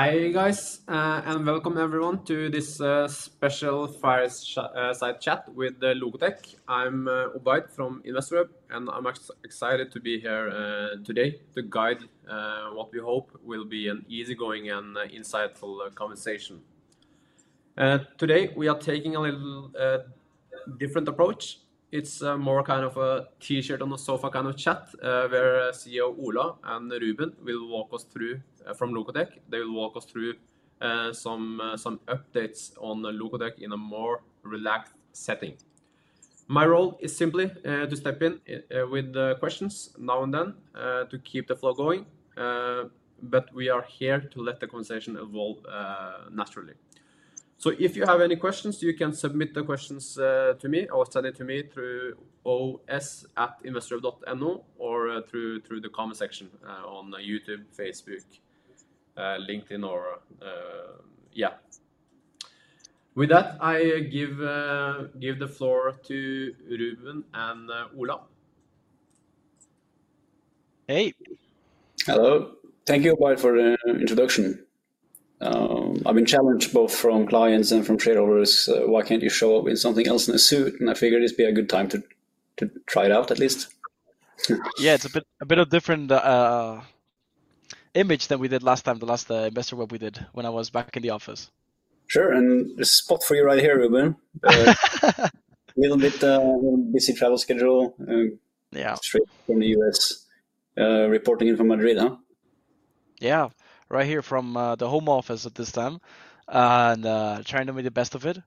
Hi, guys, and welcome everyone to this special fireside chat with Lokotech. I'm Obaid from InvestorWeb, and I'm excited to be here today to guide what we hope will be an easygoing and insightful conversation. Today, we are taking a little different approach. It's more kind of a T-shirt on the sofa kind of chat, where CEO Ola and Ruben will walk us through, from Lokotech. They will walk us through some updates on the Lokotech in a more relaxed setting. My role is simply to step in with the questions now and then to keep the flow going, but we are here to let the conversation evolve naturally. So if you have any questions, you can submit the questions to me or send it to me through os@investorweb.no, or through the comment section on YouTube, Facebook, LinkedIn, or yeah. With that, I give the floor to Ruben and Ola. Hey! Hello. Thank you, Obaid, for the introduction. I've been challenged both from clients and from shareholders, "Why can't you show up in something else than a suit?" And I figured this would be a good time to try it out, at least. Yeah, it's a bit of a different image than we did last time, the last InvestorWeb we did when I was back in the office. Sure, and a spot for you right here, Ruben. A little bit busy travel schedule. Yeah Straight from the U.S., reporting in from Madrid, huh? Yeah, right here from the home office at this time, and trying to make the best of it.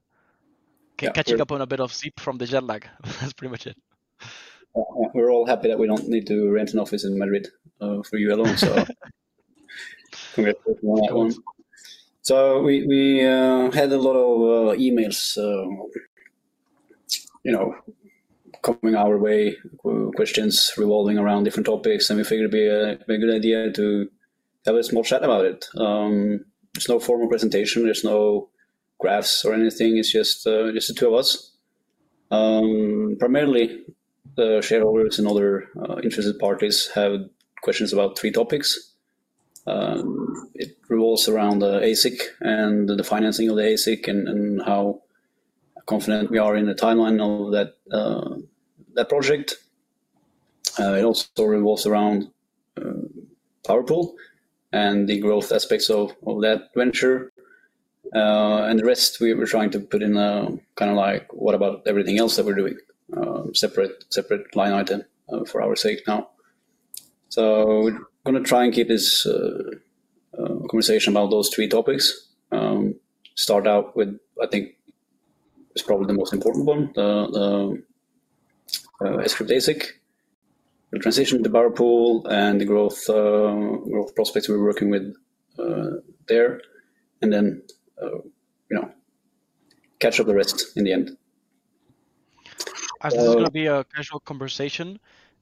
Yeah. Catching up on a bit of sleep from the jet lag. That's pretty much it. We're all happy that we don't need to rent an office in Madrid for you alone. Congrats on that one. So we had a lot of emails, you know, coming our way, questions revolving around different topics, and we figured it'd be a good idea to have a small chat about it. There's no formal presentation, there's no graphs or anything. It's just the two of us. Primarily, the shareholders and other interested parties have questions about three topics. It revolves around the ASIC and the financing of the ASIC, and how confident we are in the timeline of that project. It also revolves around PowerPool and the growth aspects of that venture. And the rest, we were trying to put in a kind of like, what about everything else that we're doing? Separate line item for our sake now. So gonna try and keep this conversation about those three topics. Start out with, I think it's probably the most important one, the Scrypt ASIC, the transition to PowerPool, and the growth prospects we're working with there, and then, you know, catch up the rest in the end. As this is gonna be a casual conversation,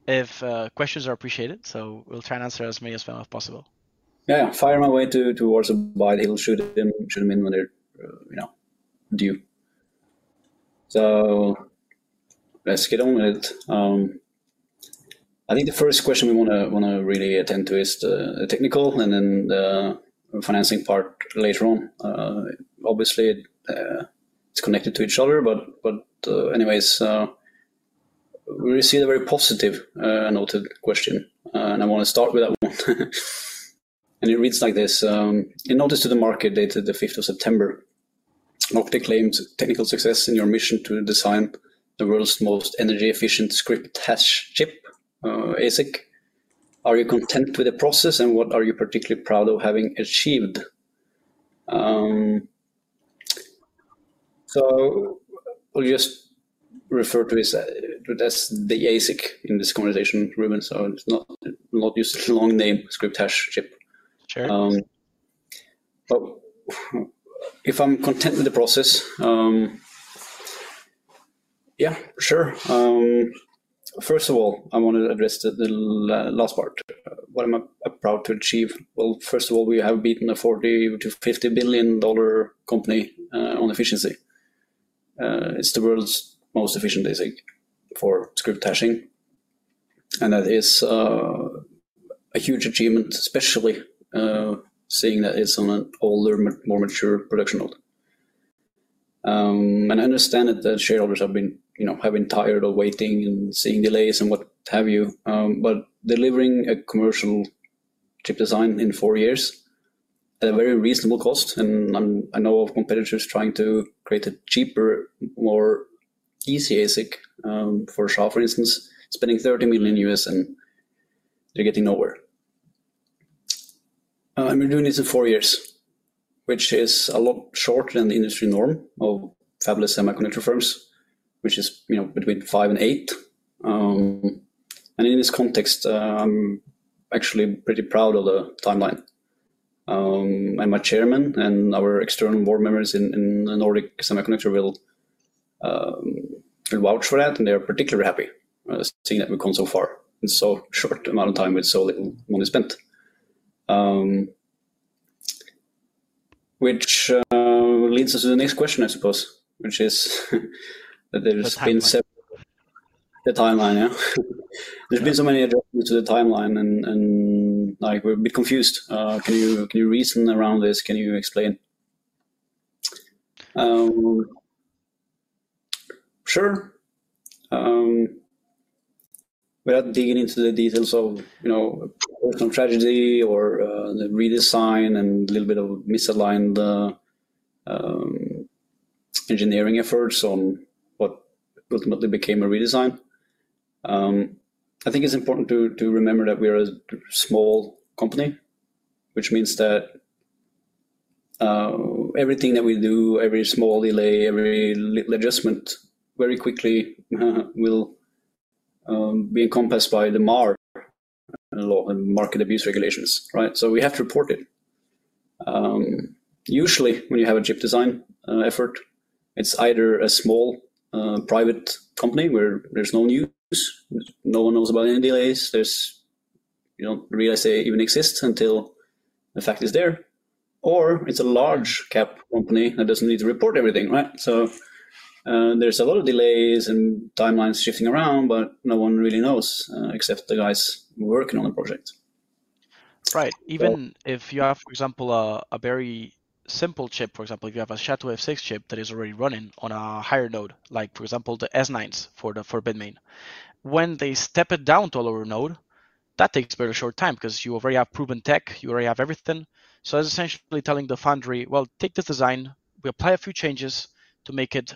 if questions are appreciated, so we'll try and answer as many as well as possible. Yeah, fire them away to, towards Obaid. He'll shoot them, shoot them in when they're, you know, due. So let's get on with it. I think the first question we wanna really attend to is the technical and then the financing part later on. Obviously, it's connected to each other, but, anyways, we received a very positive noted question, and I wanna start with that one. And it reads like this: "In notice to the market, dated the fifth of September, Lokotech claims technical success in your mission to design the world's most energy-efficient Scrypt hash chip, ASIC. Are you content with the process, and what are you particularly proud of having achieved?" So we'll just refer to this as the ASIC in this conversation, Ruben, so let's not use the long name, Scrypt ASIC chip. Sure. But if I'm content with the process. Yeah, sure. First of all, I want to address the last part. What am I proud to achieve? Well, first of all, we have beaten a 40 to 50 billion dollar company on efficiency. It's the world's most efficient ASIC for Scrypt hashing, and that is a huge achievement, especially seeing that it's on an older, more mature production node. And I understand that the shareholders have been, you know, tired of waiting and seeing delays, and what have you. But delivering a commercial chip design in 4 years at a very reasonable cost, and I know of competitors trying to create a cheaper, more easy ASIC, for SHA, for instance, spending $30 million, and they're getting nowhere. And we're doing this in four years, which is a lot shorter than the industry norm of fabless semiconductor firms, which is, you know, between five and eight. And in this context, I'm actually pretty proud of the timeline. And my chairman and our external board members in the Nordic Semiconductor will vouch for that, and they're particularly happy seeing that we've come so far in so short amount of time with so little money spent. Which leads us to the next question, I suppose, which is, that there's been the timeline, yeah? There's been so many adjustments to the timeline, and like we're a bit confused. Can you reason around this? Can you explain? Sure. Without digging into the details of, you know, personal tragedy or, the redesign and a little bit of misaligned engineering efforts on what ultimately became a redesign, I think it's important to remember that we are a small company, which means that everything that we do, every small delay, every adjustment, very quickly will be encompassed by the MAR law and market abuse regulations, right? So we have to report it. Usually, when you have a chip design effort, it's either a small private company where there's no news, no one knows about any delays. You don't realize they even exist until the fact is there. Or it's a large cap company that doesn't need to report everything, right? There's a lot of delays and timelines shifting around, but no one really knows, except the guys working on the project. Right. So- Even if you have, for example, a very simple chip, for example, if you have a SHA-256 chip that is already running on a higher node, like for example, the S9s for Bitmain. When they step it down to a lower node, that takes a very short time 'cause you already have proven tech, you already have everything. So that's essentially telling the foundry, "Well, take this design, we apply a few changes to make it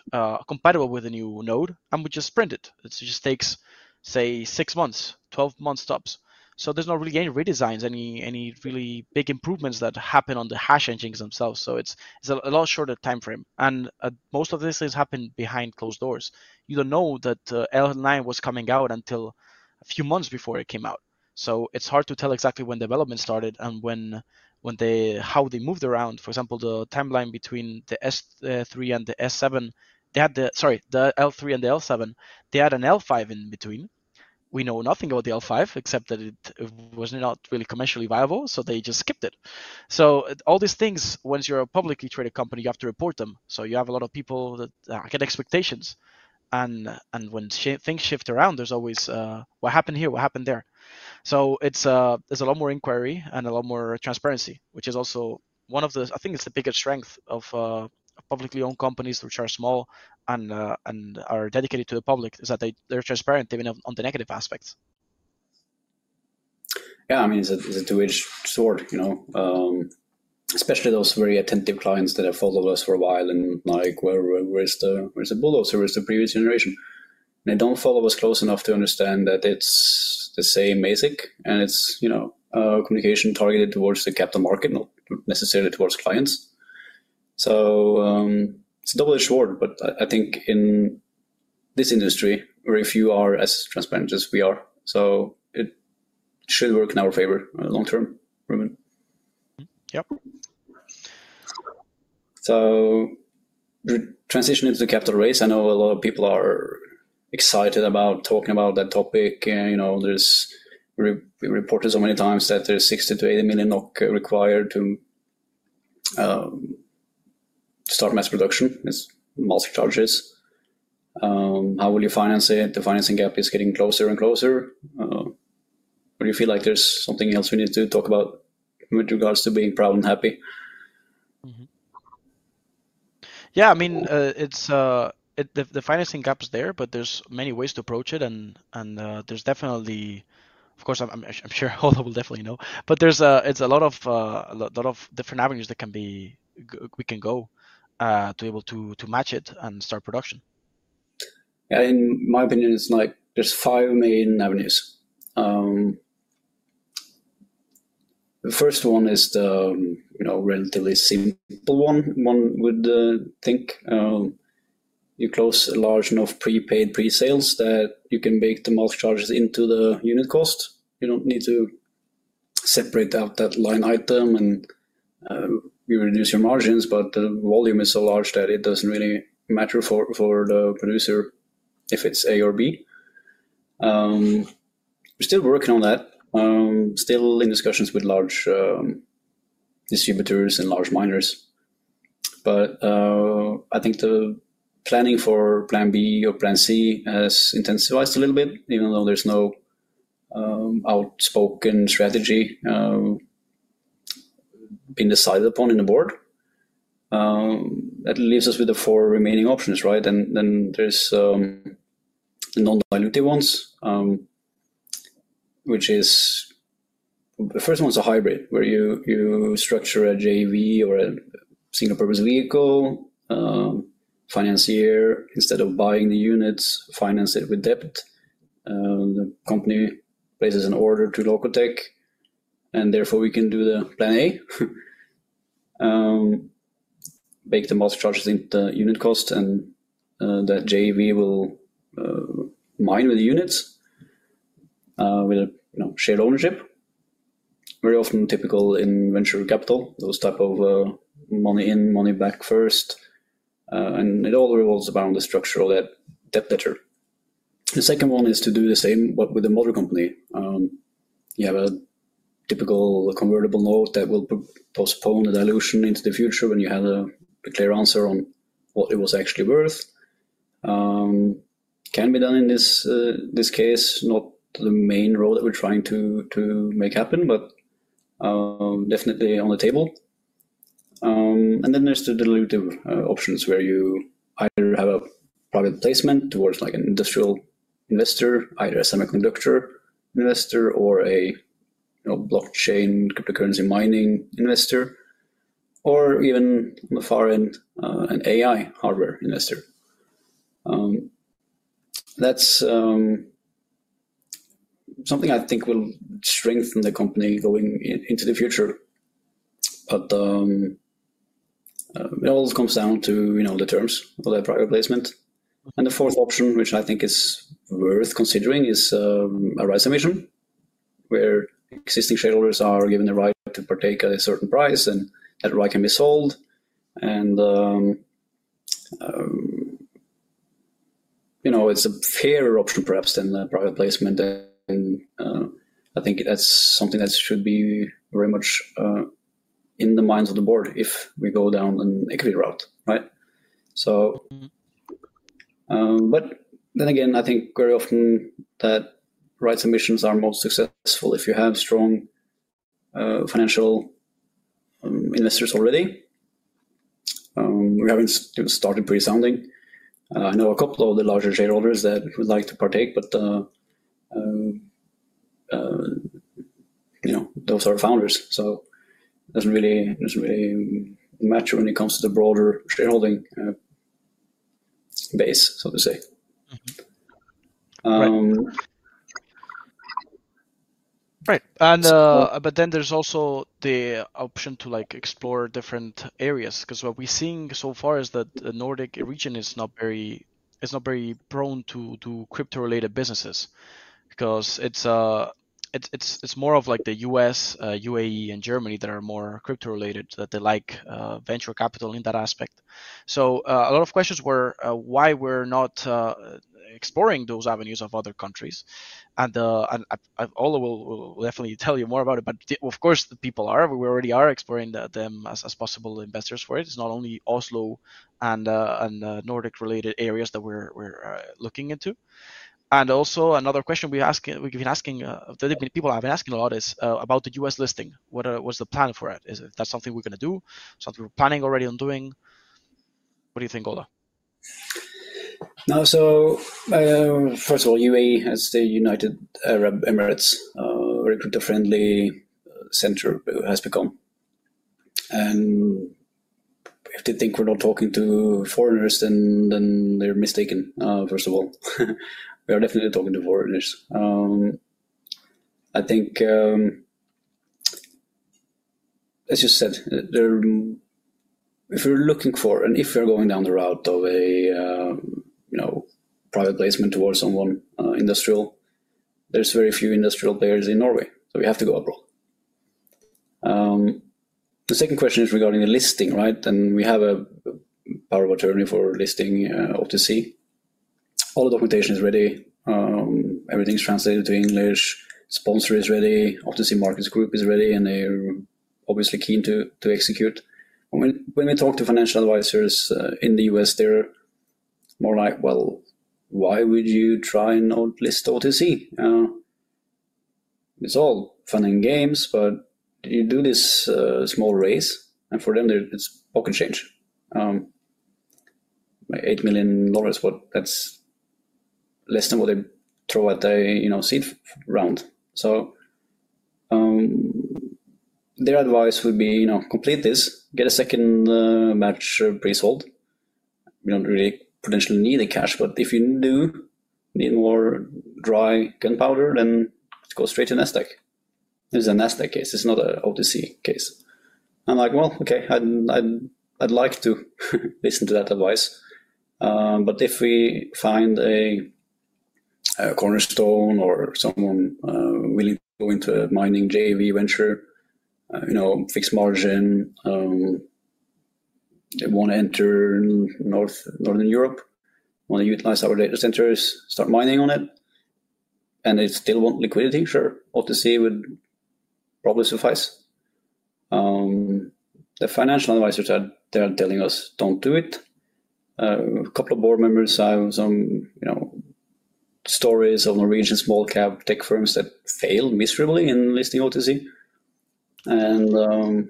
compatible with the new node, and we just print it." It just takes, say, six months, 12 months tops. So there's not really any redesigns, any really big improvements that happen on the hash engines themselves, so it's a lot shorter timeframe. And most of these things happen behind closed doors. You don't know that L9 was coming out until a few months before it came out. So it's hard to tell exactly when development started and when they, how they moved around. For example, the timeline between the S3 and the S7, they had the L3 and the L7, they had an L5 in between. We know nothing about the L5 except that it was not really commercially viable, so they just skipped it. So all these things, once you're a publicly traded company, you have to report them. So you have a lot of people that get expectations, and when SHA- things shift around, there's always, "What happened here? What happened there?" So it's, there's a lot more inquiry and a lot more transparency, which is also one of the- I think it's the biggest strength of, publicly owned companies, which are small and are dedicated to the public, is that they- they're transparent even on the negative aspects. Yeah, I mean, it's a two-edged sword, you know. Especially those very attentive clients that have followed us for a while, and like, "Where is the bulldozer? Where is the previous generation?" They don't follow us close enough to understand that it's the same basic, and it's, you know, communication targeted towards the capital market, not necessarily towards clients. So, it's a double-edged sword, but I think in this industry, very few are as transparent as we are, so it should work in our favor long term, Ruben. Mm-hmm. Yep. So the transition into the capital raise, I know a lot of people are excited about talking about that topic, and, you know, we reported so many times that there's 60 million-80 million NOK required to start mass production. It's multi charges. How will you finance it? The financing gap is getting closer and closer. Or you feel like there's something else we need to talk about with regards to being proud and happy? Mm-hmm. Yeah, I mean, it's the financing gap is there, but there's many ways to approach it, and there's definitely, of course, I'm sure Ola will definitely know. But it's a lot of different avenues that we can go to be able to match it and start production. Yeah, in my opinion, it's like there's five main avenues. The first one is the, you know, relatively simple one, one would think. You close a large enough prepaid pre-sales that you can bake the mask charges into the unit cost. You don't need to separate out that line item, and, you reduce your margins, but the volume is so large that it doesn't really matter for the producer if it's A or B. We're still working on that. Still in discussions with large, distributors and large miners, but, I think the planning for plan B or plan C has intensified a little bit, even though there's no, outspoken strategy, being decided upon in the board. That leaves us with the four remaining options, right? And then there's the non-dilutive ones, which is the first one's a hybrid, where you structure a JV or a single-purpose vehicle financier, instead of buying the units, finance it with debt. The company places an order to Lokotech, and therefore, we can do the plan A. Bake the mask charges in the unit cost, and that JV will mine with the units with a, you know, shared ownership. Very often typical in venture capital, those type of money in, money back first, and it all revolves around the structural debt, debt letter. The second one is to do the same, but with the mother company. You have a typical convertible note that will postpone the dilution into the future when you have a clear answer on what it was actually worth. Can be done in this case, not the main role that we're trying to make happen, but definitely on the table. And then there's the dilutive options, where you either have a private placement towards, like, an industrial investor, either a semiconductor investor or a, you know, blockchain, cryptocurrency mining investor, or even on the far end, an AI hardware investor. That's something I think will strengthen the company going into the future, but it all comes down to, you know, the terms of the private placement. And the fourth option, which I think is worth considering, is a rights emission, where existing shareholders are given the right to partake at a certain price, and that right can be sold. You know, it's a fairer option perhaps than the private placement, and I think that's something that should be very much in the minds of the board if we go down an equity route, right? But then again, I think very often that rights issues are most successful if you have strong financial investors already. We haven't started pre-selling. I know a couple of the larger shareholders that would like to partake, but you know, those are founders, so doesn't really matter when it comes to the broader shareholding base, so to say. Mm-hmm. Um- Right. But then there's also the option to, like, explore different areas, 'cause what we're seeing so far is that the Nordic region is not very prone to crypto-related businesses because it's more of like the U.S., U.A.E., and Germany that are more crypto-related, that they like venture capital in that aspect. So, a lot of questions were why we're not exploring those avenues of other countries, and Ola will definitely tell you more about it. But of course, we already are exploring them as possible investors for it. It's not only Oslo and Nordic-related areas that we're looking into. Also, another question we're asking, we've been asking, that people have been asking a lot is about the U.S. listing. What's the plan for it? Is it something we're gonna do, something we're planning already on doing? What do you think, Ola? Now, so, first of all, U.A.E., as the United Arab Emirates, very crypto-friendly center it has become, and if they think we're not talking to foreigners, then they're mistaken, first of all. We are definitely talking to foreigners. I think, as you said, there, if you're looking for, and if you're going down the route of a, you know, private placement towards someone, industrial, there's very few industrial players in Norway, so we have to go abroad. The second question is regarding the listing, right? And we have a power of attorney for listing, OTC. All the documentation is ready. Everything's translated to English. Sponsor is ready. OTC Markets Group is ready, and they're obviously keen to execute. When we talk to financial advisors in the U.S., they're more like: "Well, why would you try and now list OTC?" It's all fun and games, but you do this small raise, and for them, it's pocket change. Like $8 million, well, that's less than what they throw at a, you know, seed round. So, their advice would be, you know, complete this, get a second match pre-sold. We don't really potentially need the cash, but if you do need more dry gunpowder, then just go straight to Nasdaq. This is a Nasdaq case. It's not a OTC case. I'm like: "Well, okay, I'd like to listen to that advice." But if we find a cornerstone or someone willing to go into a mining JV venture, you know, fixed margin, they wanna enter Northern Europe, wanna utilize our data centers, start mining on it, and they still want liquidity, sure, OTC would probably suffice. The financial advisors are, they are telling us, "Don't do it." A couple of board members have some, you know, stories of Norwegian small-cap tech firms that failed miserably in listing OTC, and,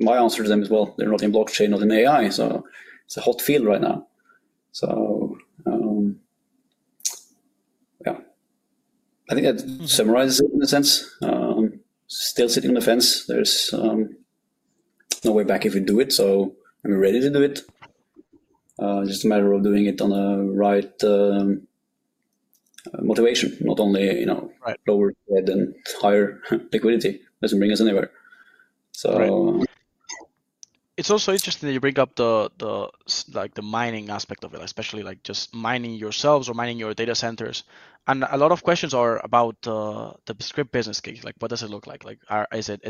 my answer to them is: "Well, they're not in blockchain, not in AI, so it's a hot field right now." So, yeah, I think that summarizes it in a sense. Still sitting on the fence. There's no way back if you do it, so I'm ready to do it. Just a matter of doing it on the right motivation, not only, you know- Right lower and higher liquidity. Doesn't bring us anywhere. So, It's also interesting that you bring up the Scrypt aspect of it, especially like just mining yourselves or mining your data centers. And a lot of questions are about the Scrypt business case. Like, what does it look like? Like, is it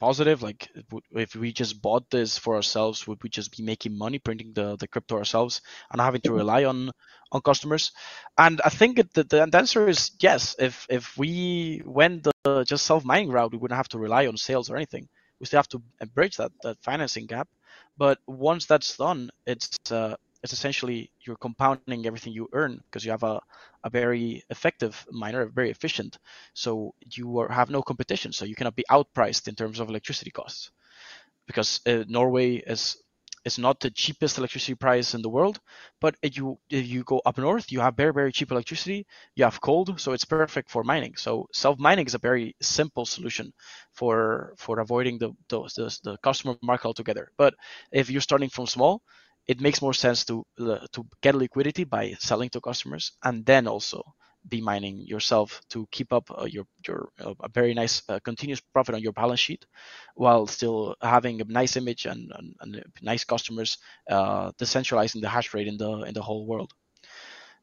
positive? Like, if we just bought this for ourselves, would we just be making money printing the crypto ourselves and not having to rely on customers? And I think that the answer is yes. If we went the just self-mining route, we wouldn't have to rely on sales or anything. We still have to bridge that financing gap, but once that's done, it's essentially you're compounding everything you earn because you have a very effective miner, a very efficient. So you have no competition, so you cannot be outpriced in terms of electricity costs. Because Norway is not the cheapest electricity price in the world, but if you go up north, you have very, very cheap electricity, you have cold, so it's perfect for mining. So self-mining is a very simple solution for avoiding the customer market altogether. But if you're starting from small, it makes more sense to get liquidity by selling to customers and then also be mining yourself to keep up your very nice continuous profit on your balance sheet while still having a nice image and nice customers, decentralizing the hash rate in the whole world.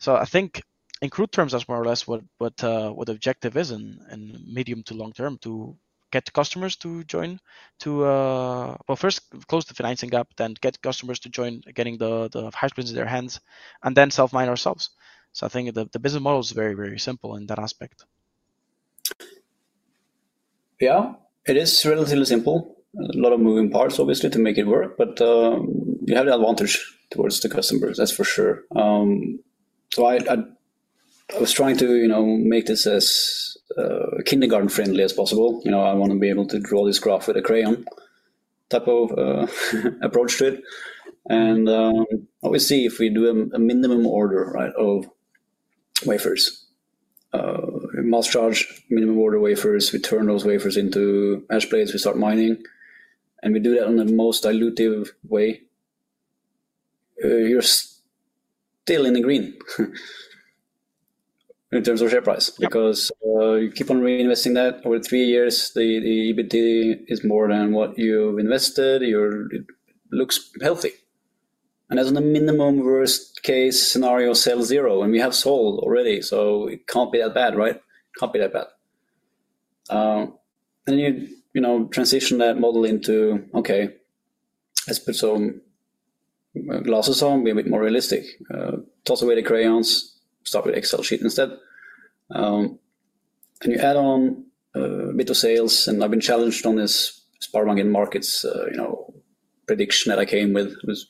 I think in crude terms, that's more or less what the objective is in medium to long term, to get the customers to join. Well, first close the financing gap, then get customers to join, getting the Hash Blades in their hands, and then self-mine ourselves. So I think the business model is very, very simple in that aspect. Yeah, it is relatively simple. A lot of moving parts, obviously, to make it work, but you have the advantage towards the customers, that's for sure. So I was trying to, you know, make this as kindergarten-friendly as possible. You know, I want to be able to draw this graph with a crayon type of approach to it, and obviously, if we do a minimum order, right, of wafers, mask charge, minimum order wafers, we turn those wafers into hash blades, we start mining, and we do that in the most dilutive way, you're still in the green, in terms of share price. Yeah. Because you keep on reinvesting that over three years, the EBITDA is more than what you've invested. It looks healthy. In the minimum worst-case scenario, sell zero, and we have sold already, so it can't be that bad, right? It can't be that bad. Then you know, transition that model into, okay, let's put some glasses on, be a bit more realistic. Toss away the crayons, start with an Excel sheet instead. And you add on a bit of sales, and I've been challenged on this SpareBank 1 Markets', you know, prediction that I came with. Was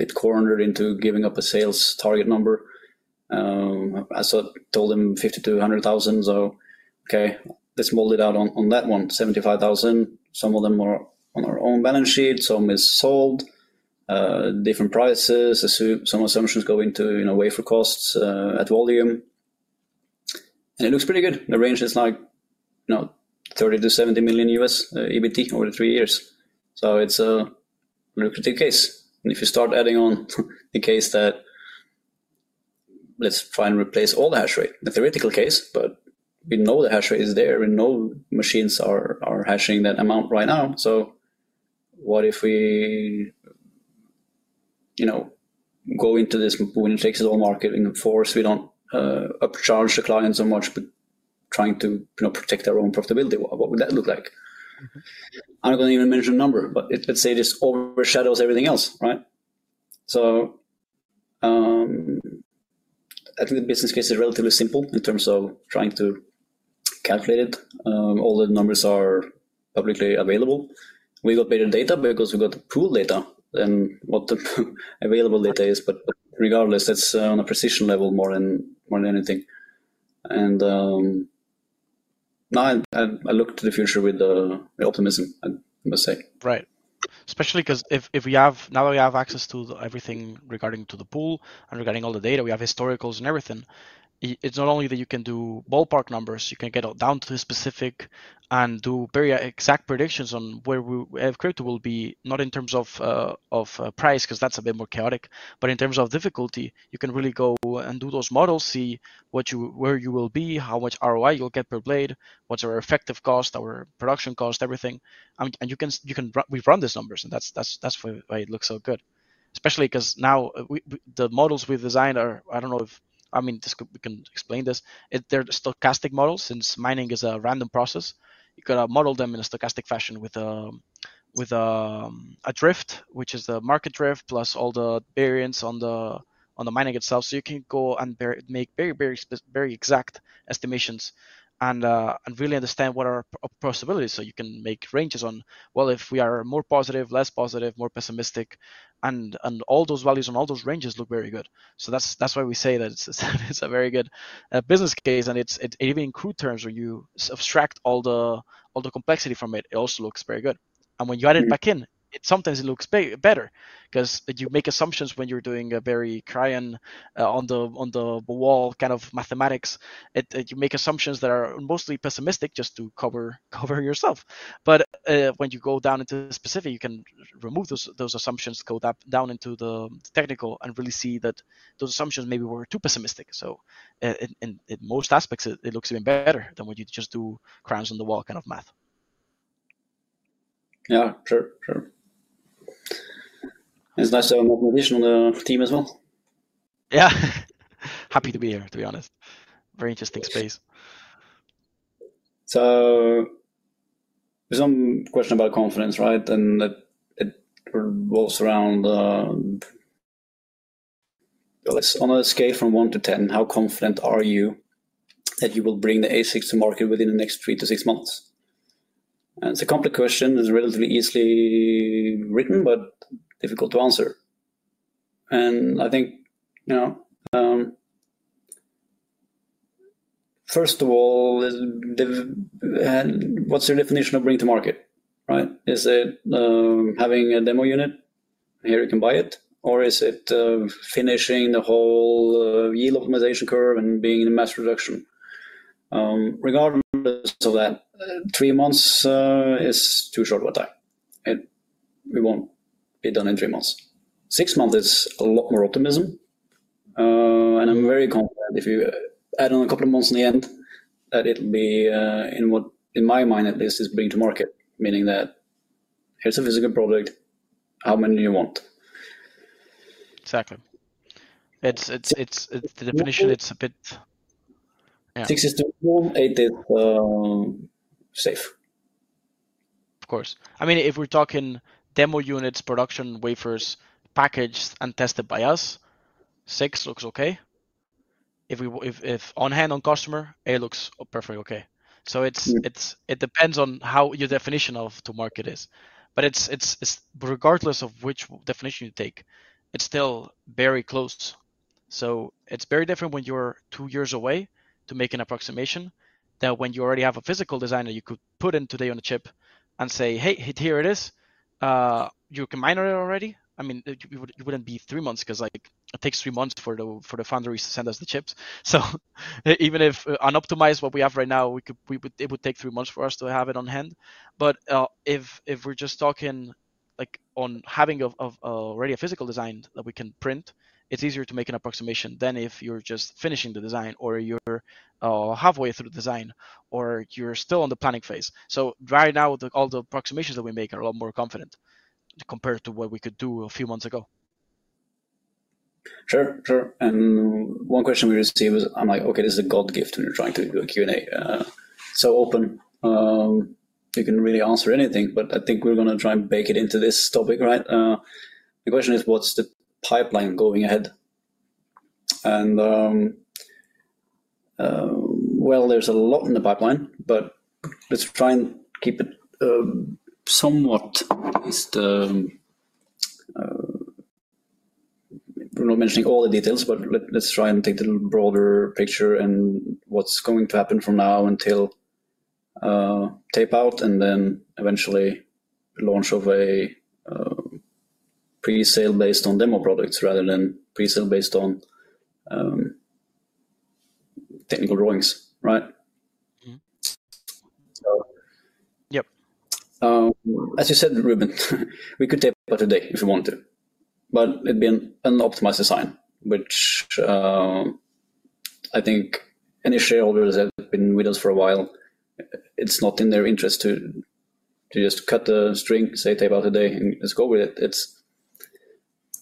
a bit cornered into giving up _a sales target number. I sort of told them 5,200,000, so okay, let's model it out on that one, 75,000. Some of them are on our own balance sheet, some is sold, different prices, some assumptions go into, you know, wafer costs, at volume, and it looks pretty good. The range is like, you know, $30 million-$70 million EBITDA over three years. So it's a pretty case. And if you start adding on the case that let's try and replace all the hash rate, the theoretical case, but we know the hash rate is there, and no machines are hashing that amount right now. So what if we, you know, go into this when it takes a little marketing force, we don't upcharge the clients so much, but trying to, you know, protect our own profitability, what would that look like? I'm not going to even mention a number, but let's say this overshadows everything else, right? So, I think the business case is relatively simple in terms of trying to calculate it. All the numbers are publicly available. We got better data because we got the pool data than what the available data is, but regardless, it's on a precision level more than anything. And, now I look to the future with optimism, I must say. Right. Especially 'cause now that we have access to everything regarding to the pool and regarding all the data, we have historicals and everything, it's not only that you can do ballpark numbers, you can get down to the specific and do very exact predictions on where Filecoin will be, not in terms of price, 'cause that's a bit more chaotic, but in terms of difficulty, you can really go and do those models, see where you will be, how much ROI you'll get per blade, what's our effective cost, our production cost, everything. And you can. We've run these numbers, and that's why it looks so good. Especially 'cause now the models we've designed are, I don't know if. I mean, this could. We can explain this. They're stochastic models. Since mining is a random process, you gotta model them in a stochastic fashion with a drift, which is the market drift, plus all the variances on the mining itself, so you can go and make very exact estimations and really understand what are our possibilities, so you can make ranges on, well, if we are more positive, less positive, more pessimistic, and all those values and all those ranges look very good, so that's why we say that it's a very good business case, and it's even in crude terms, when you subtract all the complexity from it, it also looks very good. When you add it back in, it sometimes looks better 'cause you make assumptions when you're doing a very crayon on the wall kind of mathematics. You make assumptions that are mostly pessimistic just to cover yourself. But when you go down into the specific, you can remove those assumptions, go down into the technical and really see that those assumptions maybe were too pessimistic. So in most aspects, it looks even better than when you just do crayons on the wall kind of math. Yeah, sure, sure. It's nice to have more additional on the team as well. Yeah, happy to be here, to be honest. Very interesting space. So there's some question about confidence, right? And that it revolves around, on a scale from one to ten, how confident are you that you will bring the ASICs to market within the next three to six months? And it's a complicated question, it's relatively easily written, but difficult to answer. And I think, you know, first of all, and what's your definition of bring to market, right? Is it, having a demo unit, here you can buy it? Or is it, finishing the whole, yield optimization curve and being in a mass production? Regardless of that, three months is too short of a time. We won't be done in three months. Six months is a lot more optimism, and I'm very confident if you add on a couple of months in the end, that it'll be, in what, in my mind, at least, is bring to market. Meaning that here's a physical product, how many you want? Exactly. It's the definition, it's a bit, yeah. Six is to improve, eight is safe. Of course. I mean, if we're talking demo units, production wafers, packaged and tested by us, six looks okay. If we have on hand for customer, eight looks perfectly okay. Mm. It depends on how your definition of time to market is. But it's regardless of which definition you take, it's still very close. It's very different when you're two years away to make an approximation, than when you already have a physical design you could put in today on a chip and say, "Hey, here it is. You can mine on it already." I mean, it wouldn't be three months 'cause, like, it takes three months for the foundries to send us the chips. So even if unoptimized, what we have right now, it would take three months for us to have it on hand. But, if we're just talking, like, on having an already physical design that we can print, it's easier to make an approximation than if you're just finishing the design, or you're halfway through the design, or you're still on the planning phase. So right now, all the approximations that we make are a lot more confident compared to what we could do a few months ago. Sure, sure. And one question we received was, I'm like, okay, this is a God's gift when you're trying to do a Q&A. So open, you can really answer anything, but I think we're gonna try and bake it into this topic, right? The question is, what's the pipeline going ahead? And, well, there's a lot in the pipeline, but let's try and keep it somewhat at least. We're not mentioning all the details, but let's try and take the broader picture and what's going to happen from now until tape out, and then eventually launch of a presale based on demo products rather than presale based on technical drawings, right? Mm-hmm. So. Yep. As you said, Ruben, we could tape out today if we wanted to, but it'd be an unoptimized design, which I think any shareholders that have been with us for a while, it's not in their interest to just cut the string, say tape out today, and let's go with it.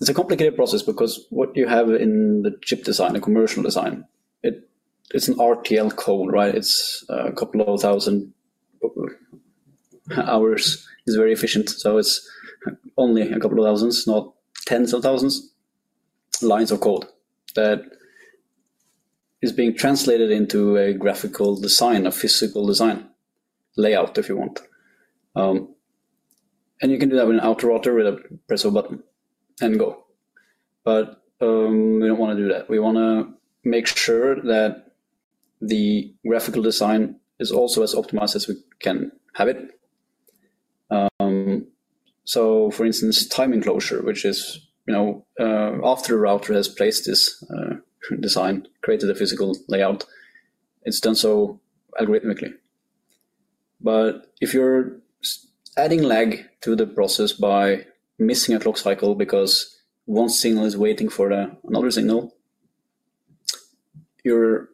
It's a complicated process because what you have in the chip design, a commercial design, it it's an RTL code, right? It's a couple of thousand hours. It's very efficient, so it's only a couple of thousands, not tens of thousands, lines of code that is being translated into a graphical design, a physical design layout, if you want. And you can do that with an autorouter with a press of a button and go. But we don't wanna do that. We wanna make sure that the graphical design is also as optimized as we can have it. So for instance, timing closure, which is, you know, after a router has placed this design, created a physical layout, it's done so algorithmically. But if you're adding lag to the process by missing a clock cycle because one signal is waiting for another signal, you're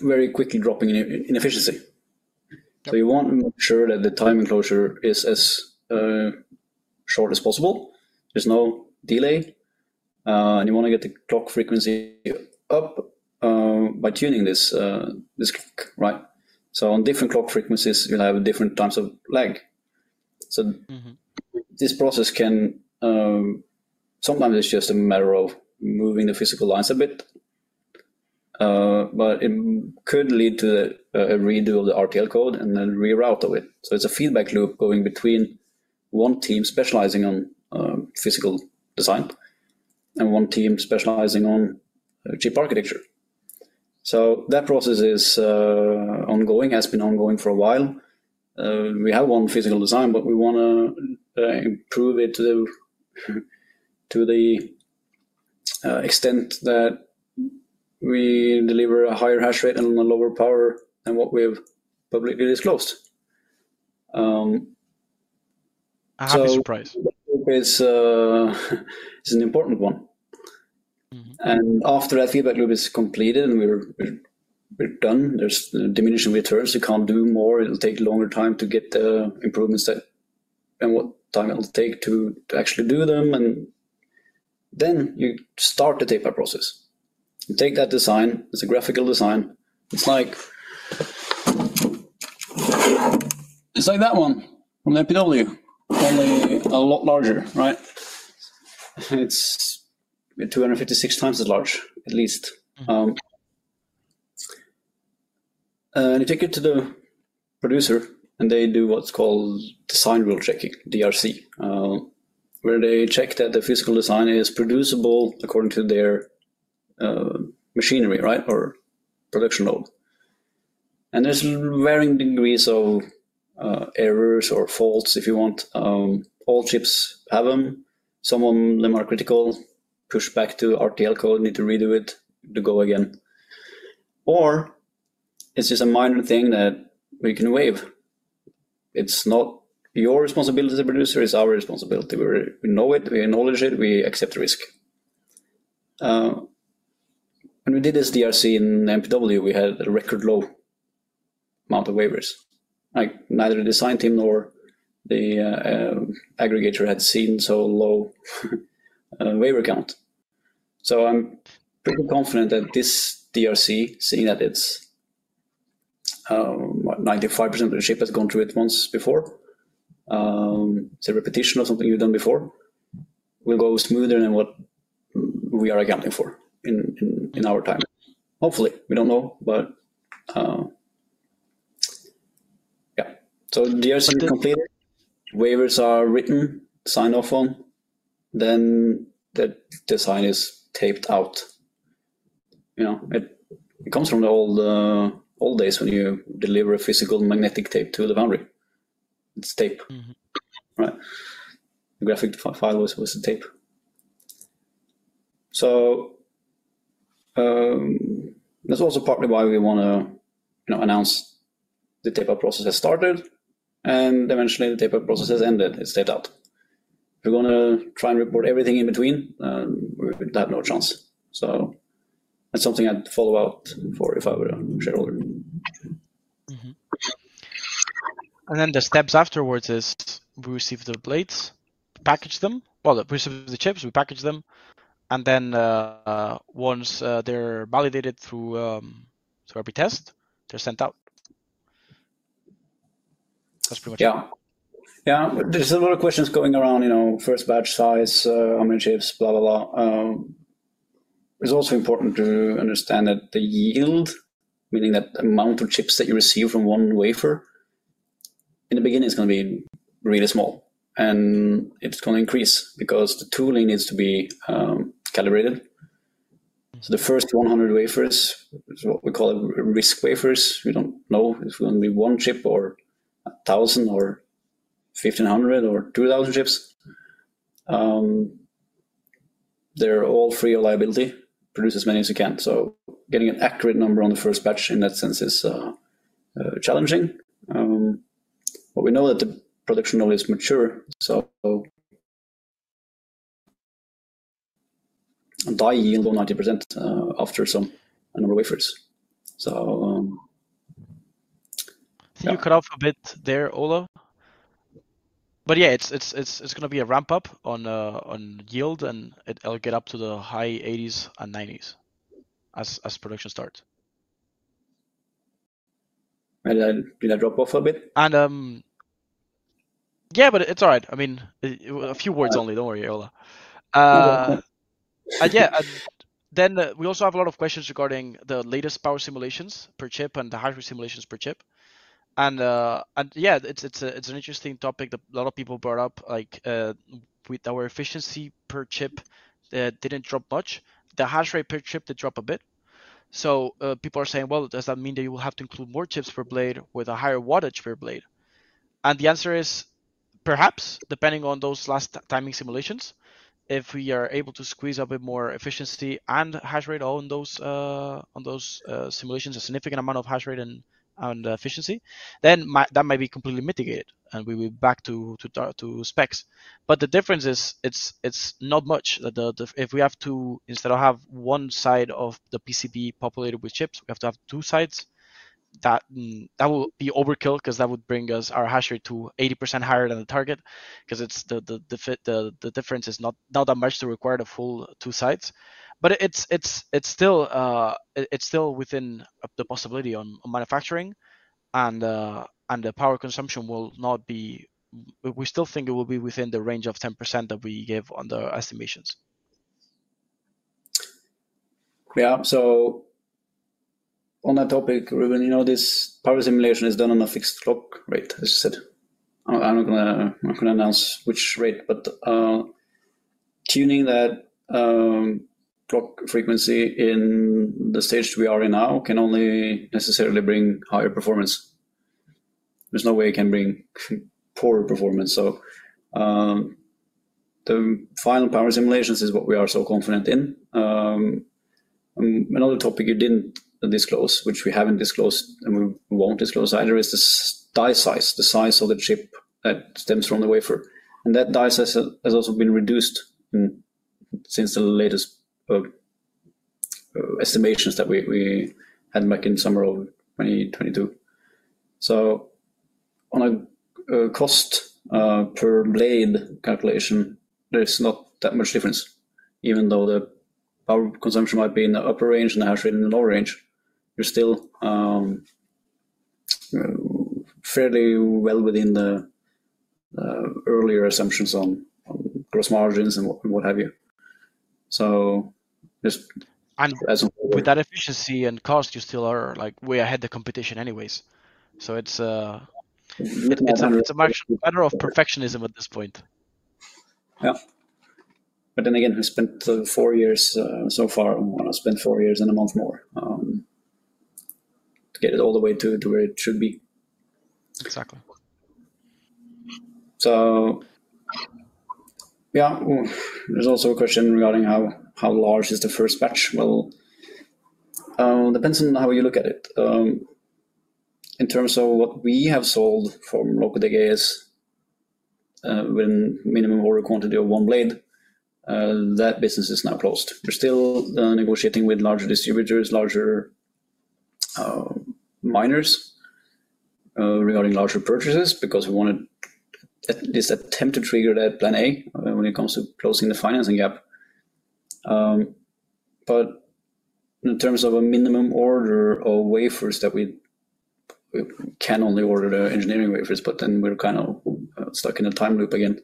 very quickly dropping in efficiency. So you want to make sure that the timing closure is as short as possible. There's no delay, and you wanna get the clock frequency up by tuning this right? So on different clock frequencies, you'll have different types of lag. Mm-hmm. So this process can sometimes it's just a matter of moving the physical lines a bit, but it could lead to a redo of the RTL code and then reroute of it. It's a feedback loop going between one team specializing on physical design and one team specializing on chip architecture. That process is ongoing, has been ongoing for a while. We have one physical design, but we wanna improve it to the extent that we deliver a higher hash rate and a lower power than what we have publicly disclosed. So- A happy surprise It's an important one and after that feedback loop is completed and we're done, there's diminishing returns. You can't do more. It'll take longer time to get the improvements that and what time it'll take to actually do them, and then you start the tape-out process. You take that design, it's a graphical design. It's just like that one from MPW, only a lot larger, right? It's two hundred and fifty-six times as large, at least, and you take it to the producer, and they do what's called Design Rule Checking, DRC, where they check that the physical design is producible according to their machinery, right, or production node, and there's varying degrees of errors or faults if you want. All chips have them. Some of them are critical, push back to RTL code, need to redo it to go again. Or it's just a minor thing that we can waive. It's not your responsibility as a producer, it's our responsibility. We know it, we acknowledge it, we accept the risk. When we did this DRC in MPW, we had a record low amount of waivers. Like, neither the design team nor the aggregator had seen so low waiver count. So I'm pretty confident that this DRC, seeing that it's what, 95% of the chip has gone through it once before, it's a repetition of something we've done before, will go smoother than what we are accounting for in our time. Hopefully, we don't know, but yeah. So DRC completed, waivers are written, signed off on, then the design is taped out. You know, it comes from the old, old days when you deliver a physical magnetic tape to the foundry. It's tape. Mm-hmm. Right? The graphic file was a tape. So, that's also partly why we wanna, you know, announce the tape-out process has started, and eventually the tape-out process has ended. It's taped out. We're gonna try and report everything in between, we'd have no chance. So that's something I'd follow out for if I were a shareholder. Mm-hmm. And then the steps afterwards is we receive the blades, package them. Well, we receive the chips, we package them, and then, once, they're validated through through every test, they're sent out. That's pretty much it. Yeah. Yeah, there's a lot of questions going around, you know, first batch size, how many chips, blah, blah, blah. It's also important to understand that the yield, meaning the amount of chips that you receive from one wafer, in the beginning, it's gonna be really small, and it's gonna increase because the tooling needs to be calibrated. Mm-hmm. So the first 100 wafers is what we call risk wafers. We don't know if it's gonna be one chip or a thousand, or fifteen hundred or two thousand chips. They're all free of liability. Produce as many as you can. So getting an accurate number on the first batch in that sense is challenging. But we know that the production node is mature, so die yield of 90% after some number of wafers. So yeah. You cut off a bit there, Ola. But yeah, it's gonna be a ramp up on the yield, and it'll get up to the high eighties and nineties as production starts. Then it'll drop off a bit? Yeah, but it's all right. I mean, a few words only. Don't worry, Ola. No worry. Yeah, and then we also have a lot of questions regarding the latest power simulations per chip and the hash rate simulations per chip. And yeah, it's an interesting topic that a lot of people brought up, like, with our efficiency per chip, didn't drop much. The hash rate per chip did drop a bit. So, people are saying, "Well, does that mean that you will have to include more chips per blade with a higher wattage per blade?" And the answer is, perhaps, depending on those last timing simulations, if we are able to squeeze a bit more efficiency and hash rate on those simulations, a significant amount of hash rate and efficiency, then that might be completely mitigated, and we will be back to specs. But the difference is, it's not much. If we have to, instead of have one side of the PCB populated with chips, we have to have two sides, that will be overkill 'cause that would bring us our hash rate to 80% higher than the target, 'cause the difference is not that much to require the full two sides. But it's still within the possibility on manufacturing, and the power consumption will not be. We still think it will be within the range of 10% that we gave on the estimations. Yeah. So on that topic, Ruben, you know, this power simulation is done on a fixed clock rate, as you said. I'm not gonna, I'm not gonna announce which rate, but tuning that clock frequency in the stage we are in now can only necessarily bring higher performance. There's no way it can bring poorer performance. So the final power simulations is what we are so confident in. Another topic you didn't disclose, which we haven't disclosed, and we won't disclose either, is the die size, the size of the chip that stems from the wafer. And that die size has also been reduced since the latest estimations that we had back in summer of 2022. So on a cost per blade calculation, there's not that much difference, even though the power consumption might be in the upper range and the hash rate in the lower range. We're still fairly well within the earlier assumptions on gross margins and what have you. So just as- And with that efficiency and cost, you still are, like, way ahead the competition anyways. So it's, Mm-hmm. It's a matter of perfectionism at this point. Yeah, but then again, we spent four years so far, and we want to spend four years and a month more to get it all the way to where it should be. Exactly. Yeah, there's also a question regarding how large is the first batch? It depends on how you look at it. In terms of what we have sold from Lokotech AS, with minimum order quantity of one blade, that business is now closed. We're still negotiating with larger distributors, larger miners, regarding larger purchases because we want to at least attempt to trigger that plan A when it comes to closing the financing gap. In terms of a minimum order of wafers, we can only order the engineering wafers, but then we're kind of stuck in a time loop again.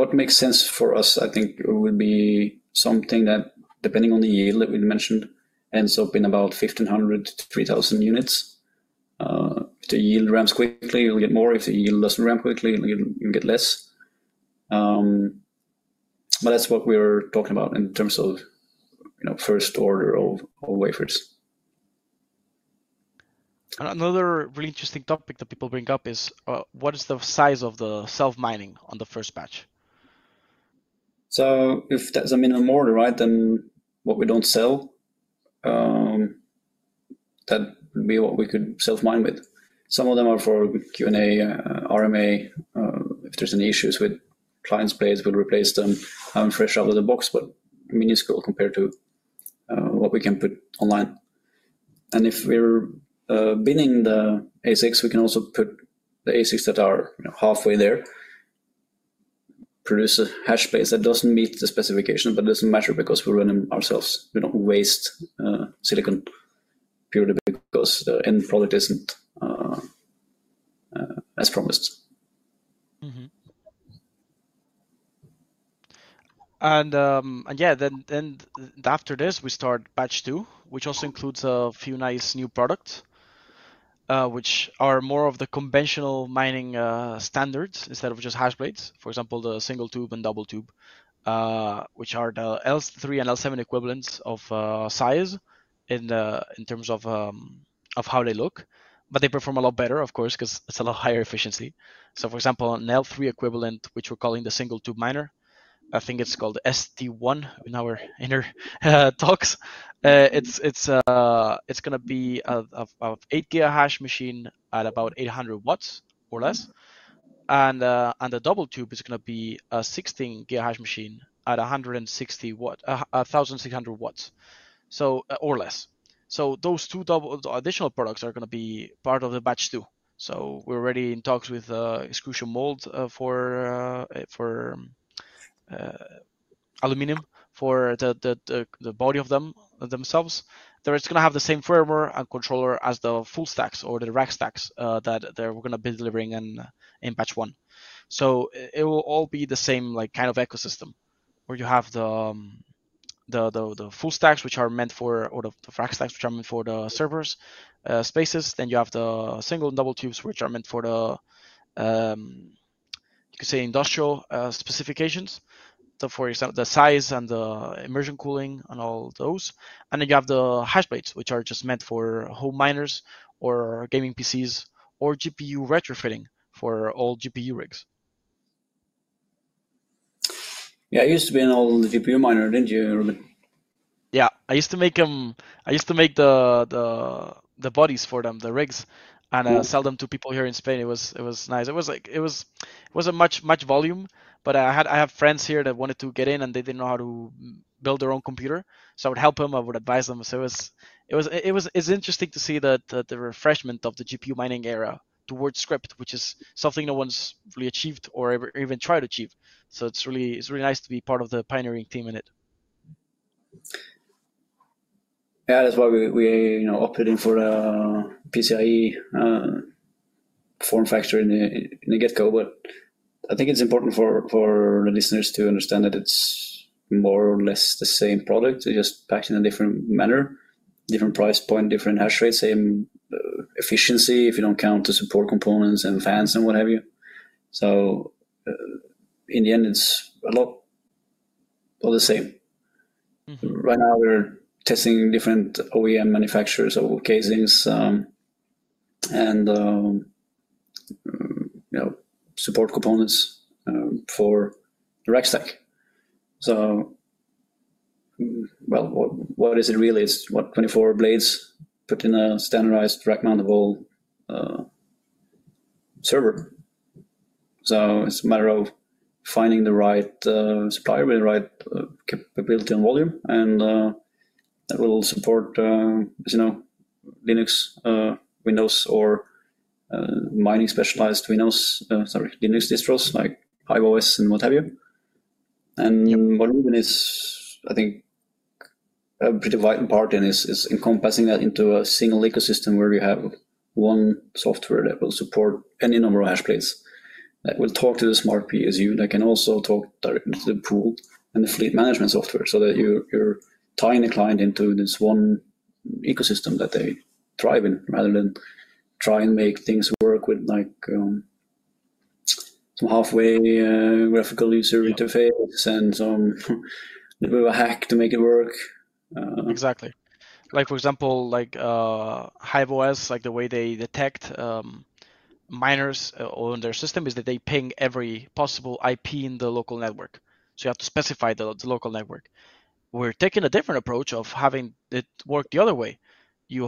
What makes sense for us, I think, would be something that, depending on the yield that we mentioned, ends up in about 1,500-3,000 units. If the yield ramps quickly, you'll get more. If the yield doesn't ramp quickly, you'll get less, but that's what we're talking about in terms of, you know, first order of wafers. Another really interesting topic that people bring up is, what is the size of the self-mining on the first batch? If there's a minimum order, right, then what we don't sell, that would be what we could self-mine with. Some of them are for Q&A, RMA. If there's any issues with client's blades, we'll replace them, fresh out of the box, but minuscule compared to what we can put online. And if we're binning the ASICs, we can also put the ASICs that are, you know, halfway there, produce a hash blades that doesn't meet the specification, but doesn't matter because we're running them ourselves. We don't waste silicon purely because the end product isn't as promised. Mm-hmm. And yeah, then after this, we start batch two, which also includes a few nice new products, which are more of the conventional mining standards instead of just Hashblades. For example, the Single Tube and Double Tube, which are the L3 and L7 equivalents of size in terms of how they look. But they perform a lot better, of course, because it's a lot higher efficiency. So for example, an L3 equivalent, which we're calling the Single Tube Miner, I think it's called ST1 in our inner talks. It's gonna be an eight gigahash machine at about 800 watts or less. The Double Tube is gonna be a 16 gigahash machine at 1600 watts, or less. Those two double additional products are gonna be part of batch two. We're already in talks with extrusion mold for aluminum for the body of them, themselves. They're just gonna have the same firmware and controller as the full stacks or the RackStacks that they're gonna be delivering in batch one. It will all be the same, like, kind of ecosystem, where you have the full stacks, which are meant for or the RackStacks, which are meant for the servers spaces. Then you have the single and Double Tubes, which are meant for the, you could say, industrial specifications. So for example, the size and the immersion cooling and all those. And then you have the hash blades, which are just meant for home miners or gaming PCs or GPU retrofitting for old GPU rigs. Yeah, you used to be an old GPU miner, didn't you, Ruben? Yeah, I used to make the bodies for them, the rigs. Cool And sell them to people here in Spain. It was nice. It was like, it wasn't much volume, but I have friends here that wanted to get in, and they didn't know how to build their own computer. So I would help them, I would advise them. So it was interesting to see the refreshment of the GPU mining era towards Scrypt, which is something no one's really achieved or ever even tried to achieve. So it's really nice to be part of the pioneering team in it. Yeah, that's why we, you know, opted in for a PCIe form factor in the get-go. But I think it's important for the listeners to understand that it's more or less the same product, just packed in a different manner, different price point, different hash rate, same efficiency, if you don't count the support components and fans and what have you. So, in the end, it's a lot all the same. Mm-hmm. Right now, we're testing different OEM manufacturers or casings, and you know, support components for the RackStack. What is it really? It's 24 blades put in a standardized rack-mountable server. It's a matter of finding the right supplier with the right capability and volume, and that will support, as you know, Linux, Windows or mining specialized Windows, sorry, Linux distros like HiveOS, and what have you. And Yep Volume is, I think, a pretty vital part, and it's encompassing that into a single ecosystem where we have one software that will support any number of hash blades, that will talk to the smart PSU, that can also talk directly to the pool and the fleet management software, so that you're tying the client into this one ecosystem that they thrive in, rather than try and make things work with like, some halfway, graphical user interface- Yeah and some little hack to make it work. Exactly. Like, for example, like, HiveOS, like the way they detect, miners, on their system, is that they ping every possible IP in the local network. So you have to specify the local network. We're taking a different approach of having it work the other way. You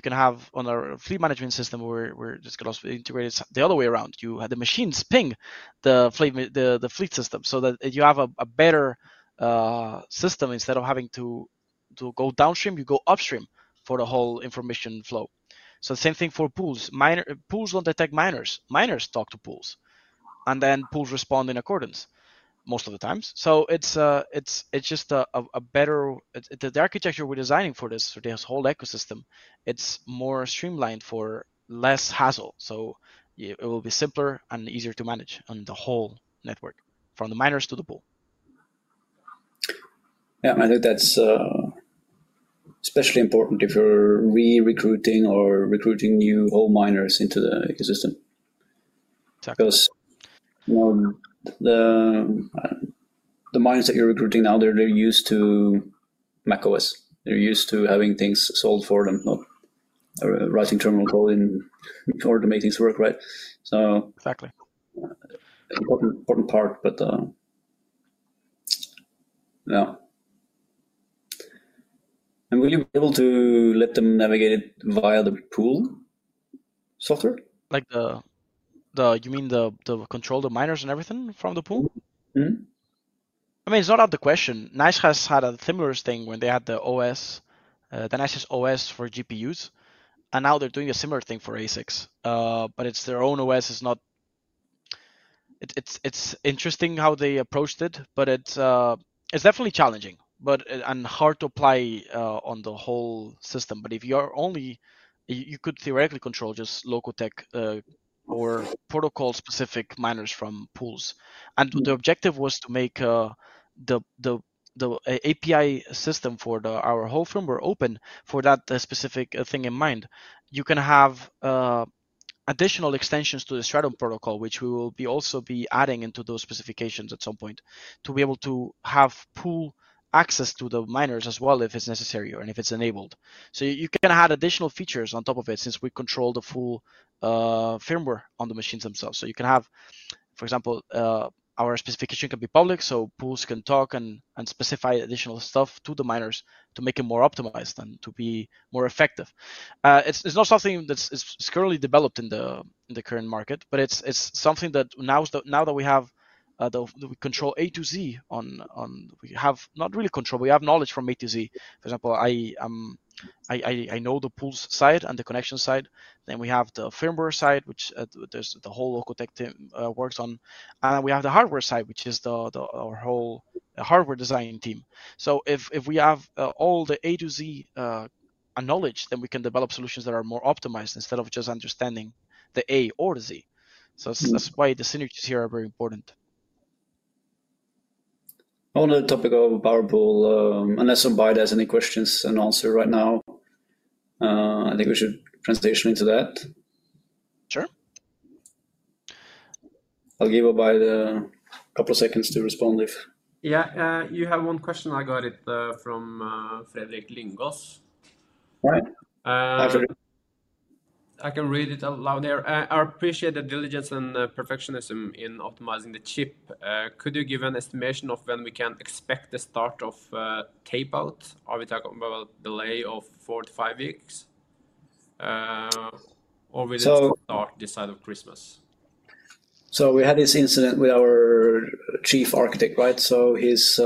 can have on our fleet management system, where we're just closely integrated the other way around. You have the machines ping the fleet system, so that you have a better system. Instead of having to go downstream, you go upstream for the whole information flow. So same thing for pools. Pools don't detect miners, miners talk to pools, and then pools respond in accordance, most of the times. So it's just a better. The architecture we're designing for this whole ecosystem, it's more streamlined for less hassle, so it will be simpler and easier to manage on the whole network, from the miners to the pool. Yeah, I think that's especially important if you're recruiting new whole miners into the ecosystem. Exactly. Because, you know, the miners that you're recruiting now, they're used to macOS. They're used to having things solved for them, not writing terminal code in order to make things work, right? So- Exactly Important, important part, but yeah, and will you be able to let them navigate it via the pool software? Like, you mean the control the miners and everything from the pool? Mm-hmm. I mean, it's not out of the question. NiceHash had a similar thing when they had the OS, the NiceHash OS for GPUs, and now they're doing a similar thing for ASICs. But it's their own OS, it's not. It's interesting how they approached it, but it's definitely challenging and hard to apply on the whole system. But if you are only, you could theoretically control just Lokotech, or protocol-specific miners from pools. Mm-hmm. And the objective was to make the API system for our whole firmware open for that specific thing in mind. You can have additional extensions to the Stratum protocol, which we will also be adding into those specifications at some point, to be able to have pool access to the miners as well, if it's necessary or if it's enabled. So you can add additional features on top of it, since we control the full firmware on the machines themselves. So you can have, for example, our specification can be public, so pools can talk and specify additional stuff to the miners to make it more optimized and to be more effective. It's not something that's currently developed in the current market, but it's something that now that we have, we control A to Z on. We have not really control, we have knowledge from A to Z. For example, I know the pools side and the connection side, then we have the firmware side, which there's the whole Lokotech team works on, and we have the hardware side, which is our whole hardware designing team. So if we have all the A to Z knowledge, then we can develop solutions that are more optimized, instead of just understanding the A or the Z. Mm-hmm. So that's why the synergies here are very important. On the topic of PowerPool, unless somebody has any questions and answer right now, I think we should transition into that. Sure. I'll give everybody a couple of seconds to respond if- Yeah, you have one question. I got it from Fredrik Lyngås. Right. Hi, Frederick. I can read it aloud here. "I appreciate the diligence and the perfectionism in optimizing the chip. Could you give an estimation of when we can expect the start of tape-out? Are we talking about a delay of four to five weeks or will it- So- start this side of Christmas? We had this incident with our chief architect, right? His